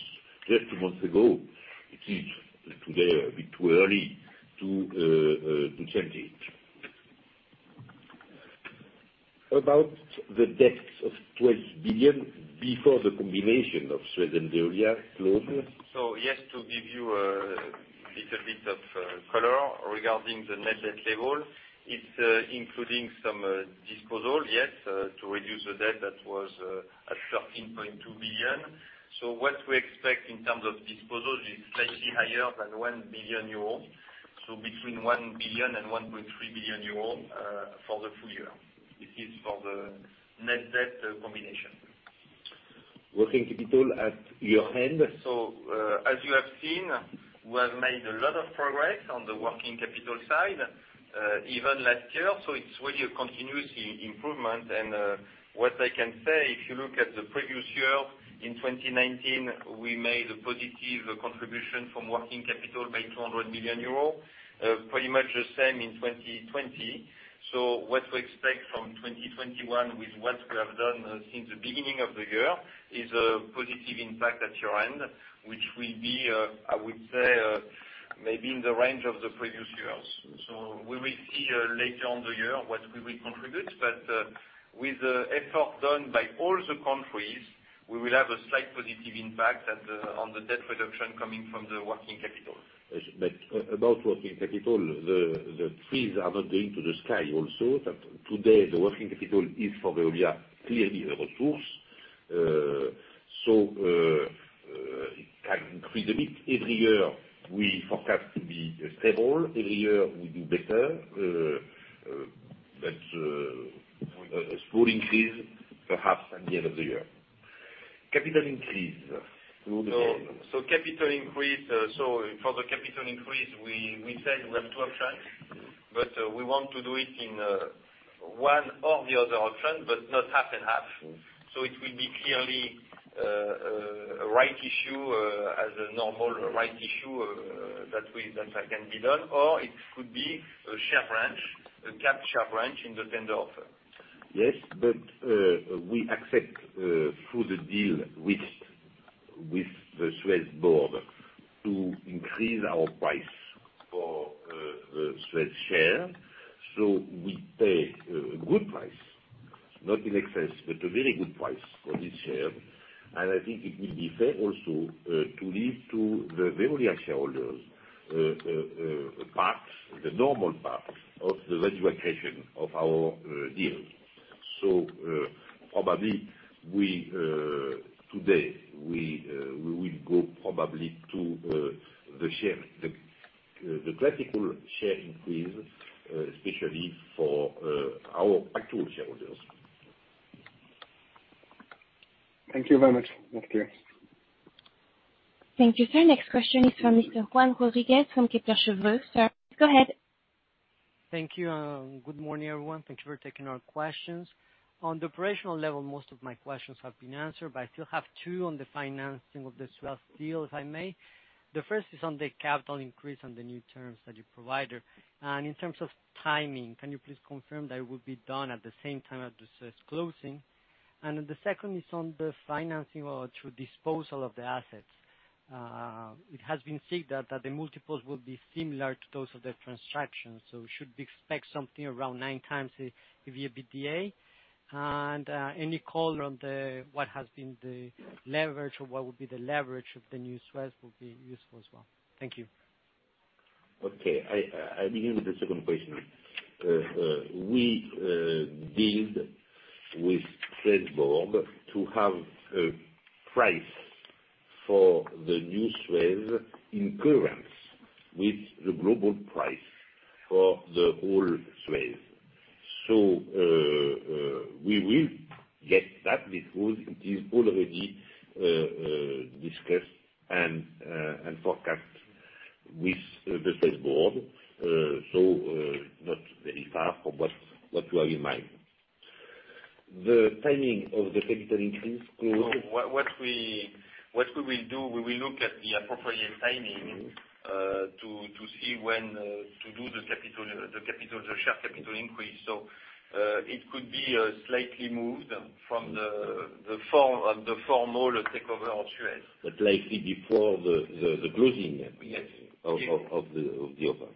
just months ago. It is today a bit too early to change it. About the debts of 12 billion before the combination of SUEZ and Veolia close. Yes, to give you a little bit of color regarding the net debt level, it's including some disposal yet, to reduce the debt that was at 13.2 billion. What we expect in terms of disposals is slightly higher than 1 billion euro, so between 1 billion and 1.3 billion euro for the full year. This is for the net debt computation. Working capital at year-end. As you have seen, we have made a lot of progress on the working capital side, even last year, so it's really a continuous improvement. What I can say, if you look at the previous year, in 2019, we made a positive contribution from working capital by 200 million euros. Pretty much the same in 2020. What we expect from 2021 with what we have done since the beginning of the year, is a positive impact at year-end, which will be, I would say, maybe in the range of the previous years. We will see later in the year what we will contribute. With the effort done by all the countries, we will have a slight positive impact on the debt reduction coming from the working capital. About working capital, the fees are not going to the sky also. Today, the working capital is for Veolia, clearly a resource. It can increase a bit. Every year, we forecast to be stable. Every year, we do better. A small increase, perhaps at the end of the year. Capital increase. For the capital increase, we said we have two options, but we want to do it in one or the other option, but not half and half. It will be clearly a rights issue as a normal rights issue that can be done, or it could be a share tranche, a capped share tranche in the tender offer. Yes, we accept through the deal with the SUEZ board to increase our price for the SUEZ share. We pay a good price. Not in excess, but a very good price for this share. I think it will be fair also to leave to the Veolia shareholders a part, the normal part, of the valuation of our deals. Probably today, we will go probably to the classical share increase, especially for our actual shareholders. Thank you very much. Thank you. Thank you, sir. Next question is from Mr. Juan Rodriguez from Kepler Cheuvreux. Sir, go ahead. Thank you. Good morning, everyone. Thank you for taking our questions. On the operational level, most of my questions have been answered, I still have two on the financing of the SUEZ deal, if I may. The first is on the capital increase on the new terms that you provided. In terms of timing, can you please confirm that it will be done at the same time as the SUEZ closing? The second is on the financing or through disposal of the assets. It has been said that the multiples will be similar to those of the transaction, should we expect something around 9x the EBITDA? Any color on what has been the leverage or what will be the leverage of the new SUEZ will be useful as well. Thank you. I'll begin with the second question. We deal with SUEZ board to have a price for the new SUEZ in concurrence with the global price for the whole SUEZ. We will get that because it is already discussed and forecast with the SUEZ board. Not very far from what you have in mind. What we will do, we will look at the appropriate timing to see when to do the share capital increase. It could be slightly moved from the formal takeover of SUEZ. Likely before the closing. Yes of the offer.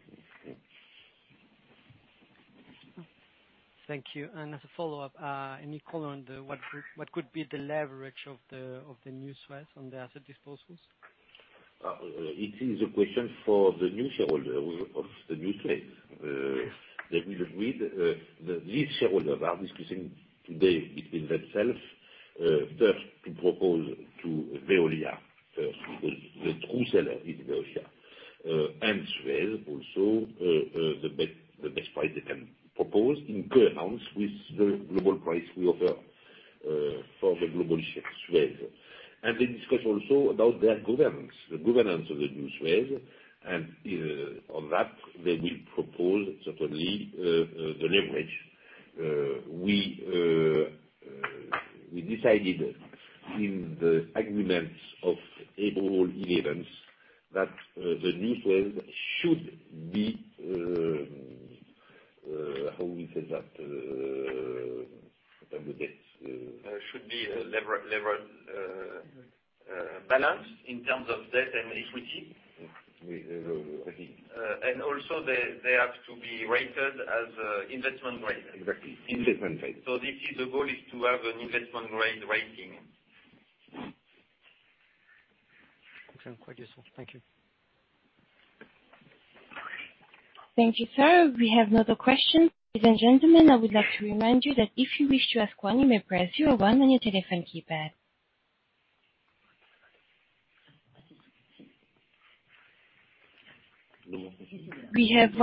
Thank you. As a follow-up, any color on what could be the leverage of the new SUEZ on the asset disposals? It is a question for the new shareholder of the new SUEZ. They will agree. These shareholders are discussing today between themselves, first to propose to Veolia first, because the true seller is Veolia, SUEZ also, the best price they can propose in concurrence with the global price we offer for the global share SUEZ. They discuss also about their governance, the governance of the new SUEZ, on that, they will propose certainly the leverage. We decided in the agreements of April 11th that the new SUEZ should be, how we say that? Should be leverage balanced in terms of debt and equity. Exactly. Also they have to be rated as investment grade. Exactly. Investment grade. This is the goal, is to have an investment grade rating. Okay. Quite useful. Thank you. Thank you, sir. We have another question. Ladies and gentlemen, I would like to remind you that if you wish to ask one, you may press zero one on your telephone keypad. We have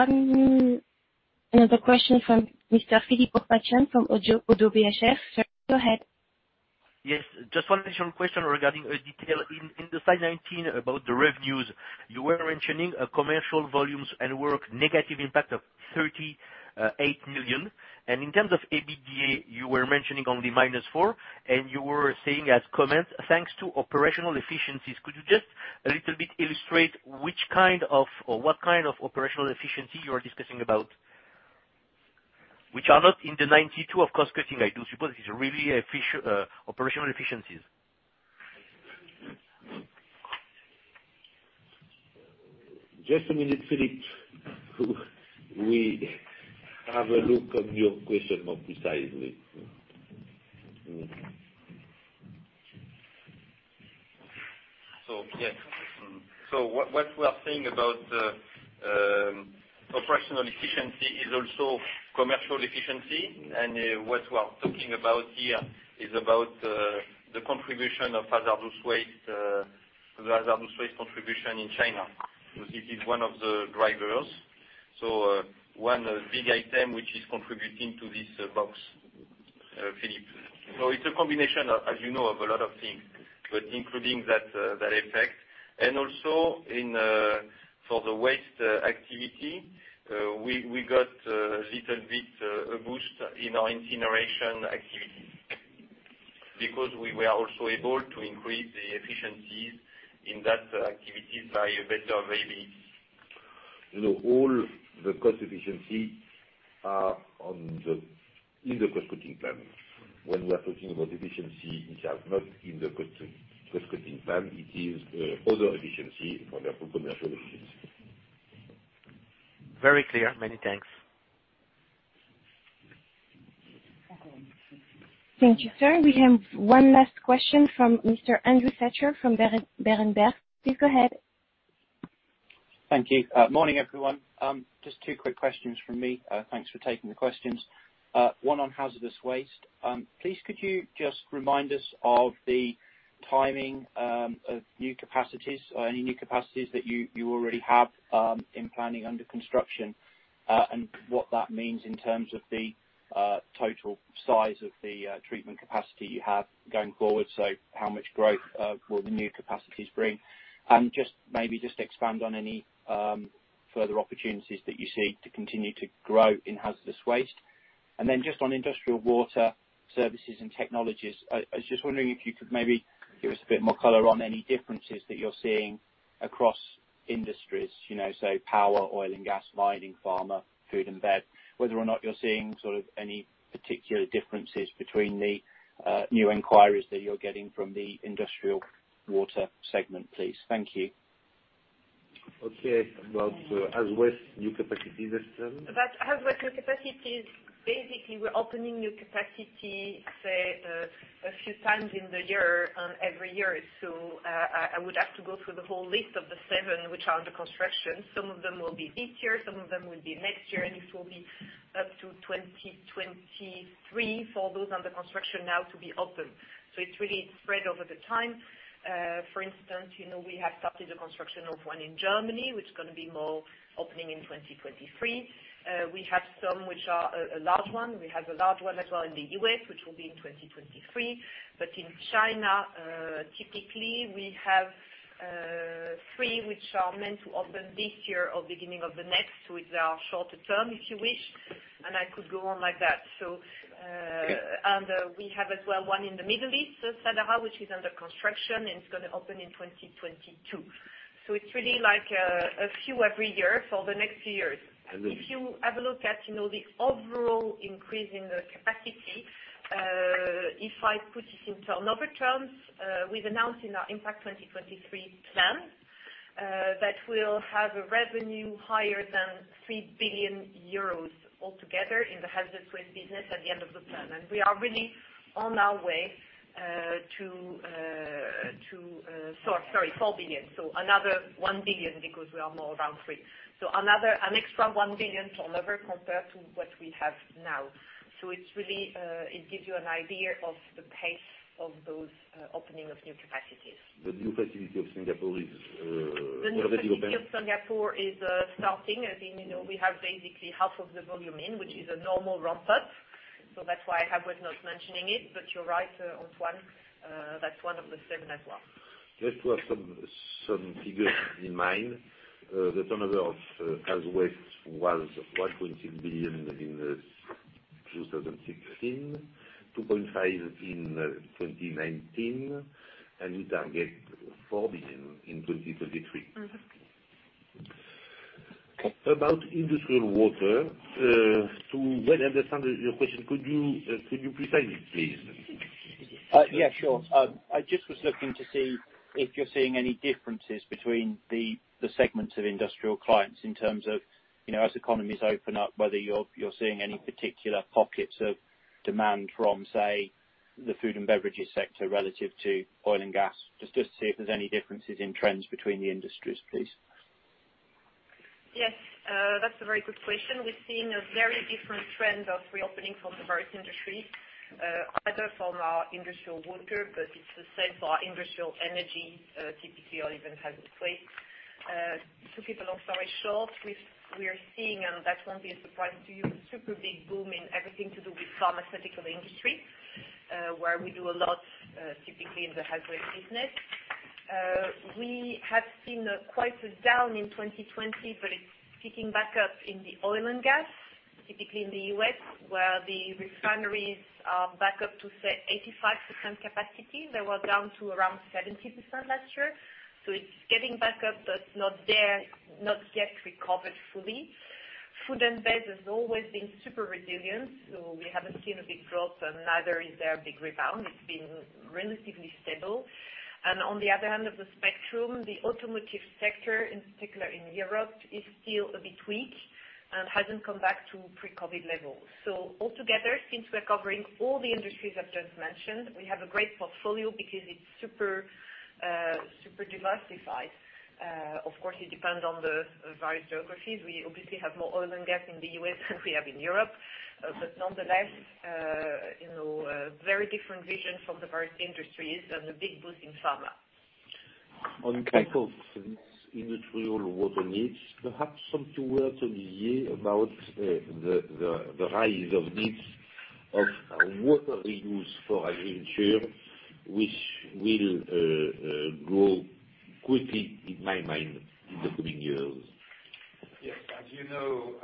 another question from Mr. Philippe Ourpatian from ODDO BHF. Sir, go ahead. Yes. Just one additional question regarding a detail in the slide 19 about the revenues. You were mentioning a commercial volumes and work negative impact of 38 million. In terms of EBITDA, you were mentioning only -4, and you were saying as comments, "Thanks to operational efficiencies." Could you just a little bit illustrate which kind of, or what kind of operational efficiency you are discussing about? Which are not in the 92 million of cost cutting, I do suppose it's really operational efficiencies. Just a minute, Philippe. We have a look at your question more precisely. Yes. What we are saying about operational efficiency is also commercial efficiency. What we are talking about here is about the contribution of hazardous waste contribution in China. This is one of the drivers. One big item which is contributing to this box, Philippe. It's a combination, as you know, of a lot of things, but including that effect. Also for the waste activity, we got a little bit a boost in our incineration activity because we were also able to increase the efficiencies in that activity by a better. All the cost efficiency is in the cost cutting plan. When we are talking about efficiency, it is not in the cost cutting plan, it is other efficiency, for example, commercial efficiency. Very clear. Many thanks. Thank you, sir. We have one last question from Mr. Andrew Fisher from Berenberg. Please go ahead. Thank you. Morning, everyone. Just two quick questions from me. Thanks for taking the questions. One on hazardous waste. Please, could you just remind us of the timing of new capacities or any new capacities that you already have in planning under construction, and what that means in terms of the total size of the treatment capacity you have going forward? How much growth will the new capacities bring? Maybe just expand on any further opportunities that you see to continue to grow in hazardous waste. Just on industrial water services and technologies, I was just wondering if you could maybe give us a bit more color on any differences that you're seeing across industries, power, oil and gas, mining, pharma, food and bev. Whether or not you're seeing any particular differences between the new inquiries that you're getting from the industrial water segment, please. Thank you. Okay. About hazardous waste new capacities. About hazardous waste new capacities, basically, we're opening new capacity, say, a few times in the year on every year. I would have to go through the whole list of the seven which are under construction. Some of them will be this year, some of them will be next year, and it will be up to 2023 for those under construction now to be open. It's really spread over the time. For instance, we have started the construction of one in Germany, which is going to be more opening in 2023. We have some which are a large one. We have a large one as well in the U.S., which will be in 2023. In China, typically we have three which are meant to open this year or beginning of the next, which are shorter term, if you wish, and I could go on like that. So- Yeah We have as well one in the Middle East, Sadara, which is under construction, and it's going to open in 2022. It's really a few every year for the next few years. And then- If you have a look at the overall increase in the capacity, if I put it in turnover terms, we've announced in our Impact 2023 plan that we'll have a revenue higher than 3 billion euros altogether in the hazardous waste business at the end of the plan. We are really on our way to Sorry, 4 billion. Another 1 billion because we are more around three. An extra 1 billion turnover compared to what we have now. It gives you an idea of the pace of those opening of new capacities. The new facility of Singapore is already open? The new facility of Singapore is starting, as in we have basically half of the volume in, which is a normal ramp-up. That's why I was not mentioning it, but you're right, Antoine, that's one of the seven as well. Just to have some figures in mind. The turnover of hazardous waste was 1.2 billion in 2016, 2.5 billion in 2019, and we target 4 billion in 2023. About industrial water, to well understand your question, could you precise it, please? Yeah, sure. I just was looking to see if you're seeing any differences between the segments of industrial clients in terms of, as economies open up, whether you're seeing any particular pockets of demand from, say, the food and beverages sector relative to oil and gas. Just to see if there's any differences in trends between the industries, please? Yes. That's a very good question. We're seeing a very different trend of reopening from the various industries, either from our industrial water, but it's the same for our industrial energy, typically, or even hazardous waste. To keep a long story short, we are seeing, and that won't be a surprise to you, super big boom in everything to do with pharmaceutical industry, where we do a lot, typically in the hazardous waste business. We have seen quite a down in 2020, but it's picking back up in the oil and gas, typically in the U.S., where the refineries are back up to, say, 85% capacity. They were down to around 70% last year. It's getting back up, but not yet recovered fully. Food and beverage has always been super resilient, we haven't seen a big drop, and neither is there a big rebound. It's been relatively stable. On the other end of the spectrum, the automotive sector, in particular in Europe, is still a bit weak and hasn't come back to pre-COVID levels. Altogether, since we're covering all the industries I've just mentioned, we have a great portfolio because it's super diversified. Of course, it depends on the various geographies. We obviously have more oil and gas in the U.S. than we have in Europe, but nonetheless, very different vision from the various industries and a big boost in pharma. Okay. On account of industrial water needs, perhaps some few words on the year about the rise of needs of water reuse for agriculture, which will grow quickly in my mind in the coming years. Yes. As you know,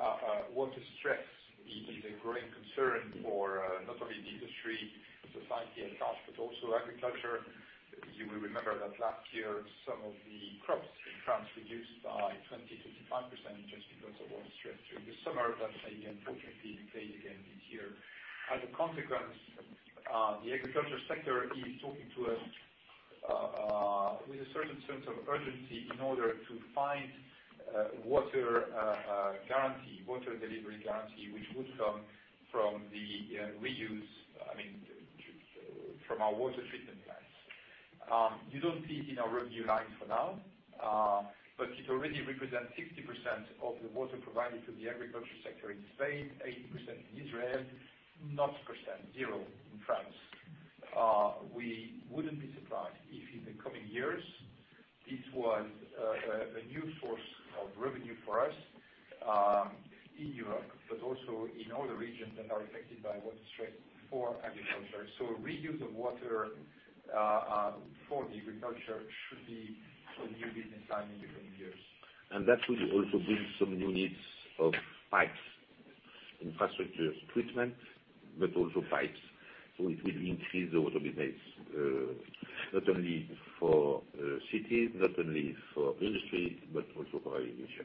water stress is a growing concern for not only the industry, society at large, but also agriculture. You will remember that last year, some of the crops in France reduced by 20%-25% just because of water stress during the summer. That's again, fortunately, the case again this year. As a consequence, the agriculture sector is talking to us With a certain sense of urgency in order to find water delivery guarantee, which would come from the reuse, from our water treatment plants. You don't see it in our revenue line for now, but it already represents 60% of the water provided to the agriculture sector in Spain, 80% in Israel, 0% in France. Reuse of water for the agriculture should be a new business line in the coming years. We wouldn't be surprised if in the coming years, this was a new source of revenue for us, in Europe, but also in other regions that are affected by water stress for agriculture. That will also bring some new needs of pipes, infrastructure treatment, but also pipes. It will increase the water business, not only for cities, not only for industry, but also for agriculture.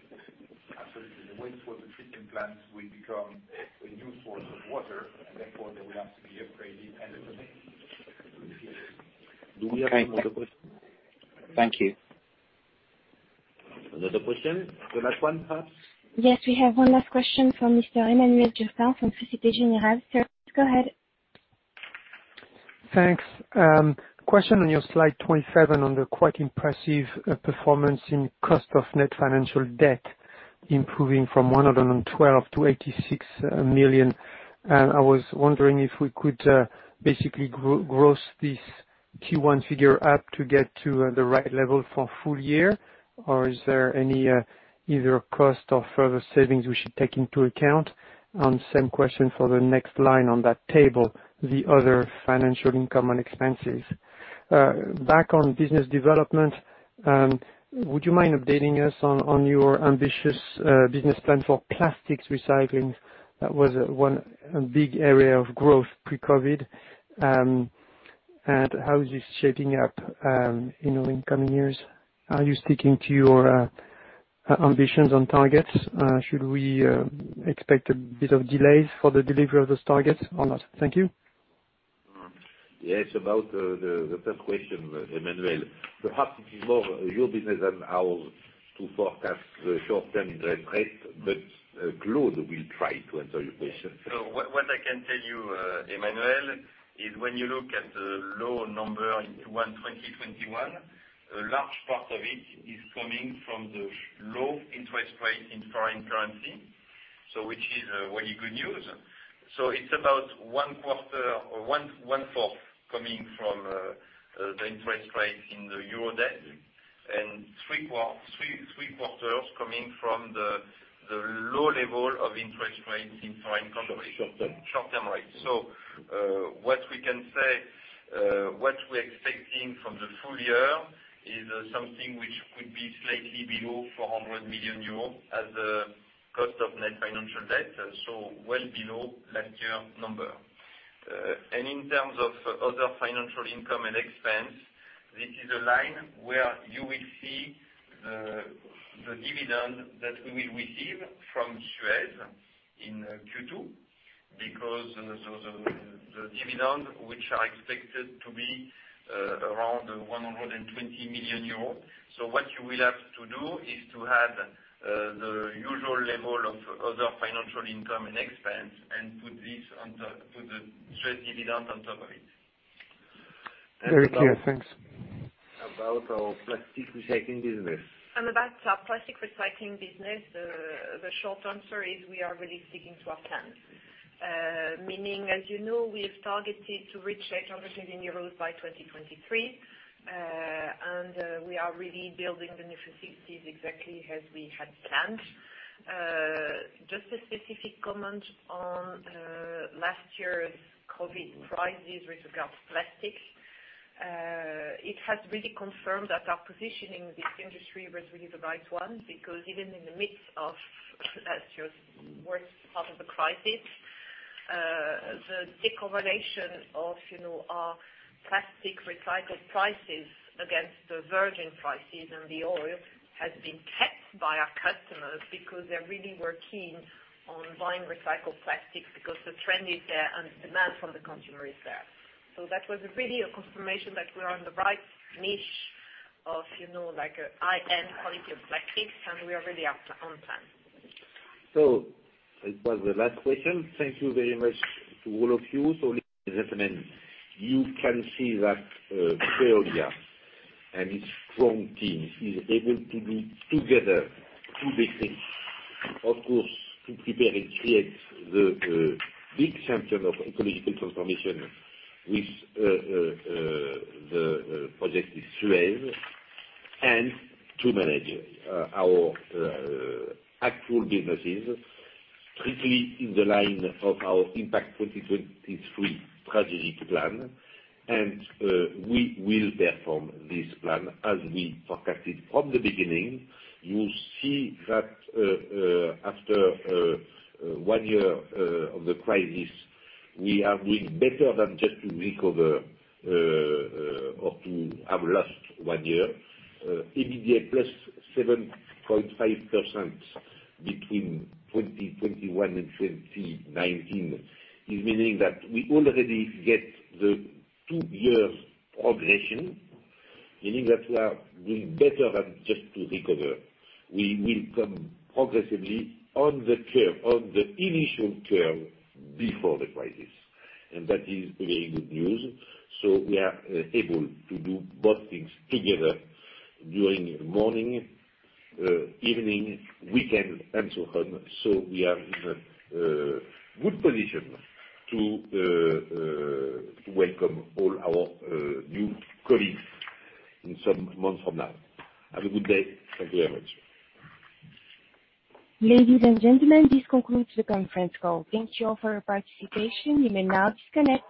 Absolutely. The wastewater treatment plants will become a new source of water. They will have to be upgraded and Do we have another question? Thank you. Another question? The last one, perhaps. Yes, we have one last question from Mr. Emmanuel Turpin from Société Générale. Sir, go ahead. Thanks. Question on your slide 27 on the quite impressive performance in cost of net financial debt improving from 112 million-86 million. Is there any, either cost or further savings we should take into account? Same question for the next line on that table, the other financial income and expenses. Back on business development, would you mind updating us on your ambitious business plan for plastics recycling? That was one big area of growth pre-COVID. How is this shaping up in coming years? Are you sticking to your ambitions on targets? Should we expect a bit of delays for the delivery of those targets or not? Thank you. Yes. About the first question, Emmanuel, perhaps it is more your business than ours to forecast the short term interest rate. Claude will try to answer your question. What I can tell you, Emmanuel, is when you look at the low number in Q1 2021, a large part of it is coming from the low interest rates in foreign currency, so which is really good news. It's about one quarter or one-fourth coming from the interest rates in the euro debt, and three quarters coming from the low level of interest rates in foreign currencies. Short term. Short term rates. What we're expecting from the full year is something which could be slightly below 400 million euros as a cost of net financial debt, well below last year number. In terms of other financial income and expense, this is a line where you will see the dividend that we will receive from SUEZ in Q2 because the dividends, which are expected to be around 120 million euros. What you will have to do is to have the usual level of other financial income and expense, and put the SUEZ dividend on top of it. Very clear. Thanks. About our plastic recycling business. On the back of our plastic recycling business, the short answer is we are really sticking to our plan. Meaning, as you know, we've targeted to reach 800 million euros by 2023. We are really building the new facilities exactly as we had planned. Just a specific comment on last year's COVID prices with regard to plastics. It has really confirmed that our position in this industry was really the right one because even in the midst of last year's worst part of the crisis, the decorrelation of our plastic recycled prices against the virgin prices and the oil has been kept by our customers because they really were keen on buying recycled plastics because the trend is there and the demand from the consumer is there. That was really a confirmation that we're on the right niche of high-end quality of plastics, and we are really on plan. That was the last question. Thank you very much to all of you. Ladies and gentlemen, you can see that Veolia and its strong team is able to do together two big things. Of course, to prepare and create the big champion of ecological transformation with the project with SUEZ, and to manage our actual businesses strictly in the line of our Impact 2023 strategy plan. We will perform this plan as we forecasted from the beginning. You see that after one year of the crisis, we are doing better than just to recover or to have lost one year. EBITDA +7.5% between 2021 and 2019 is meaning that we already get the two years progression, meaning that we are doing better than just to recover. We will come progressively on the curve, on the initial curve before the crisis, that is very good news. We are able to do both things together during morning, evening, weekend, and so on. We are in a good position to welcome all our new colleagues in some months from now. Have a good day. Thank you very much. Ladies and gentlemen, this concludes the conference call. Thank you all for your participation. You may now disconnect.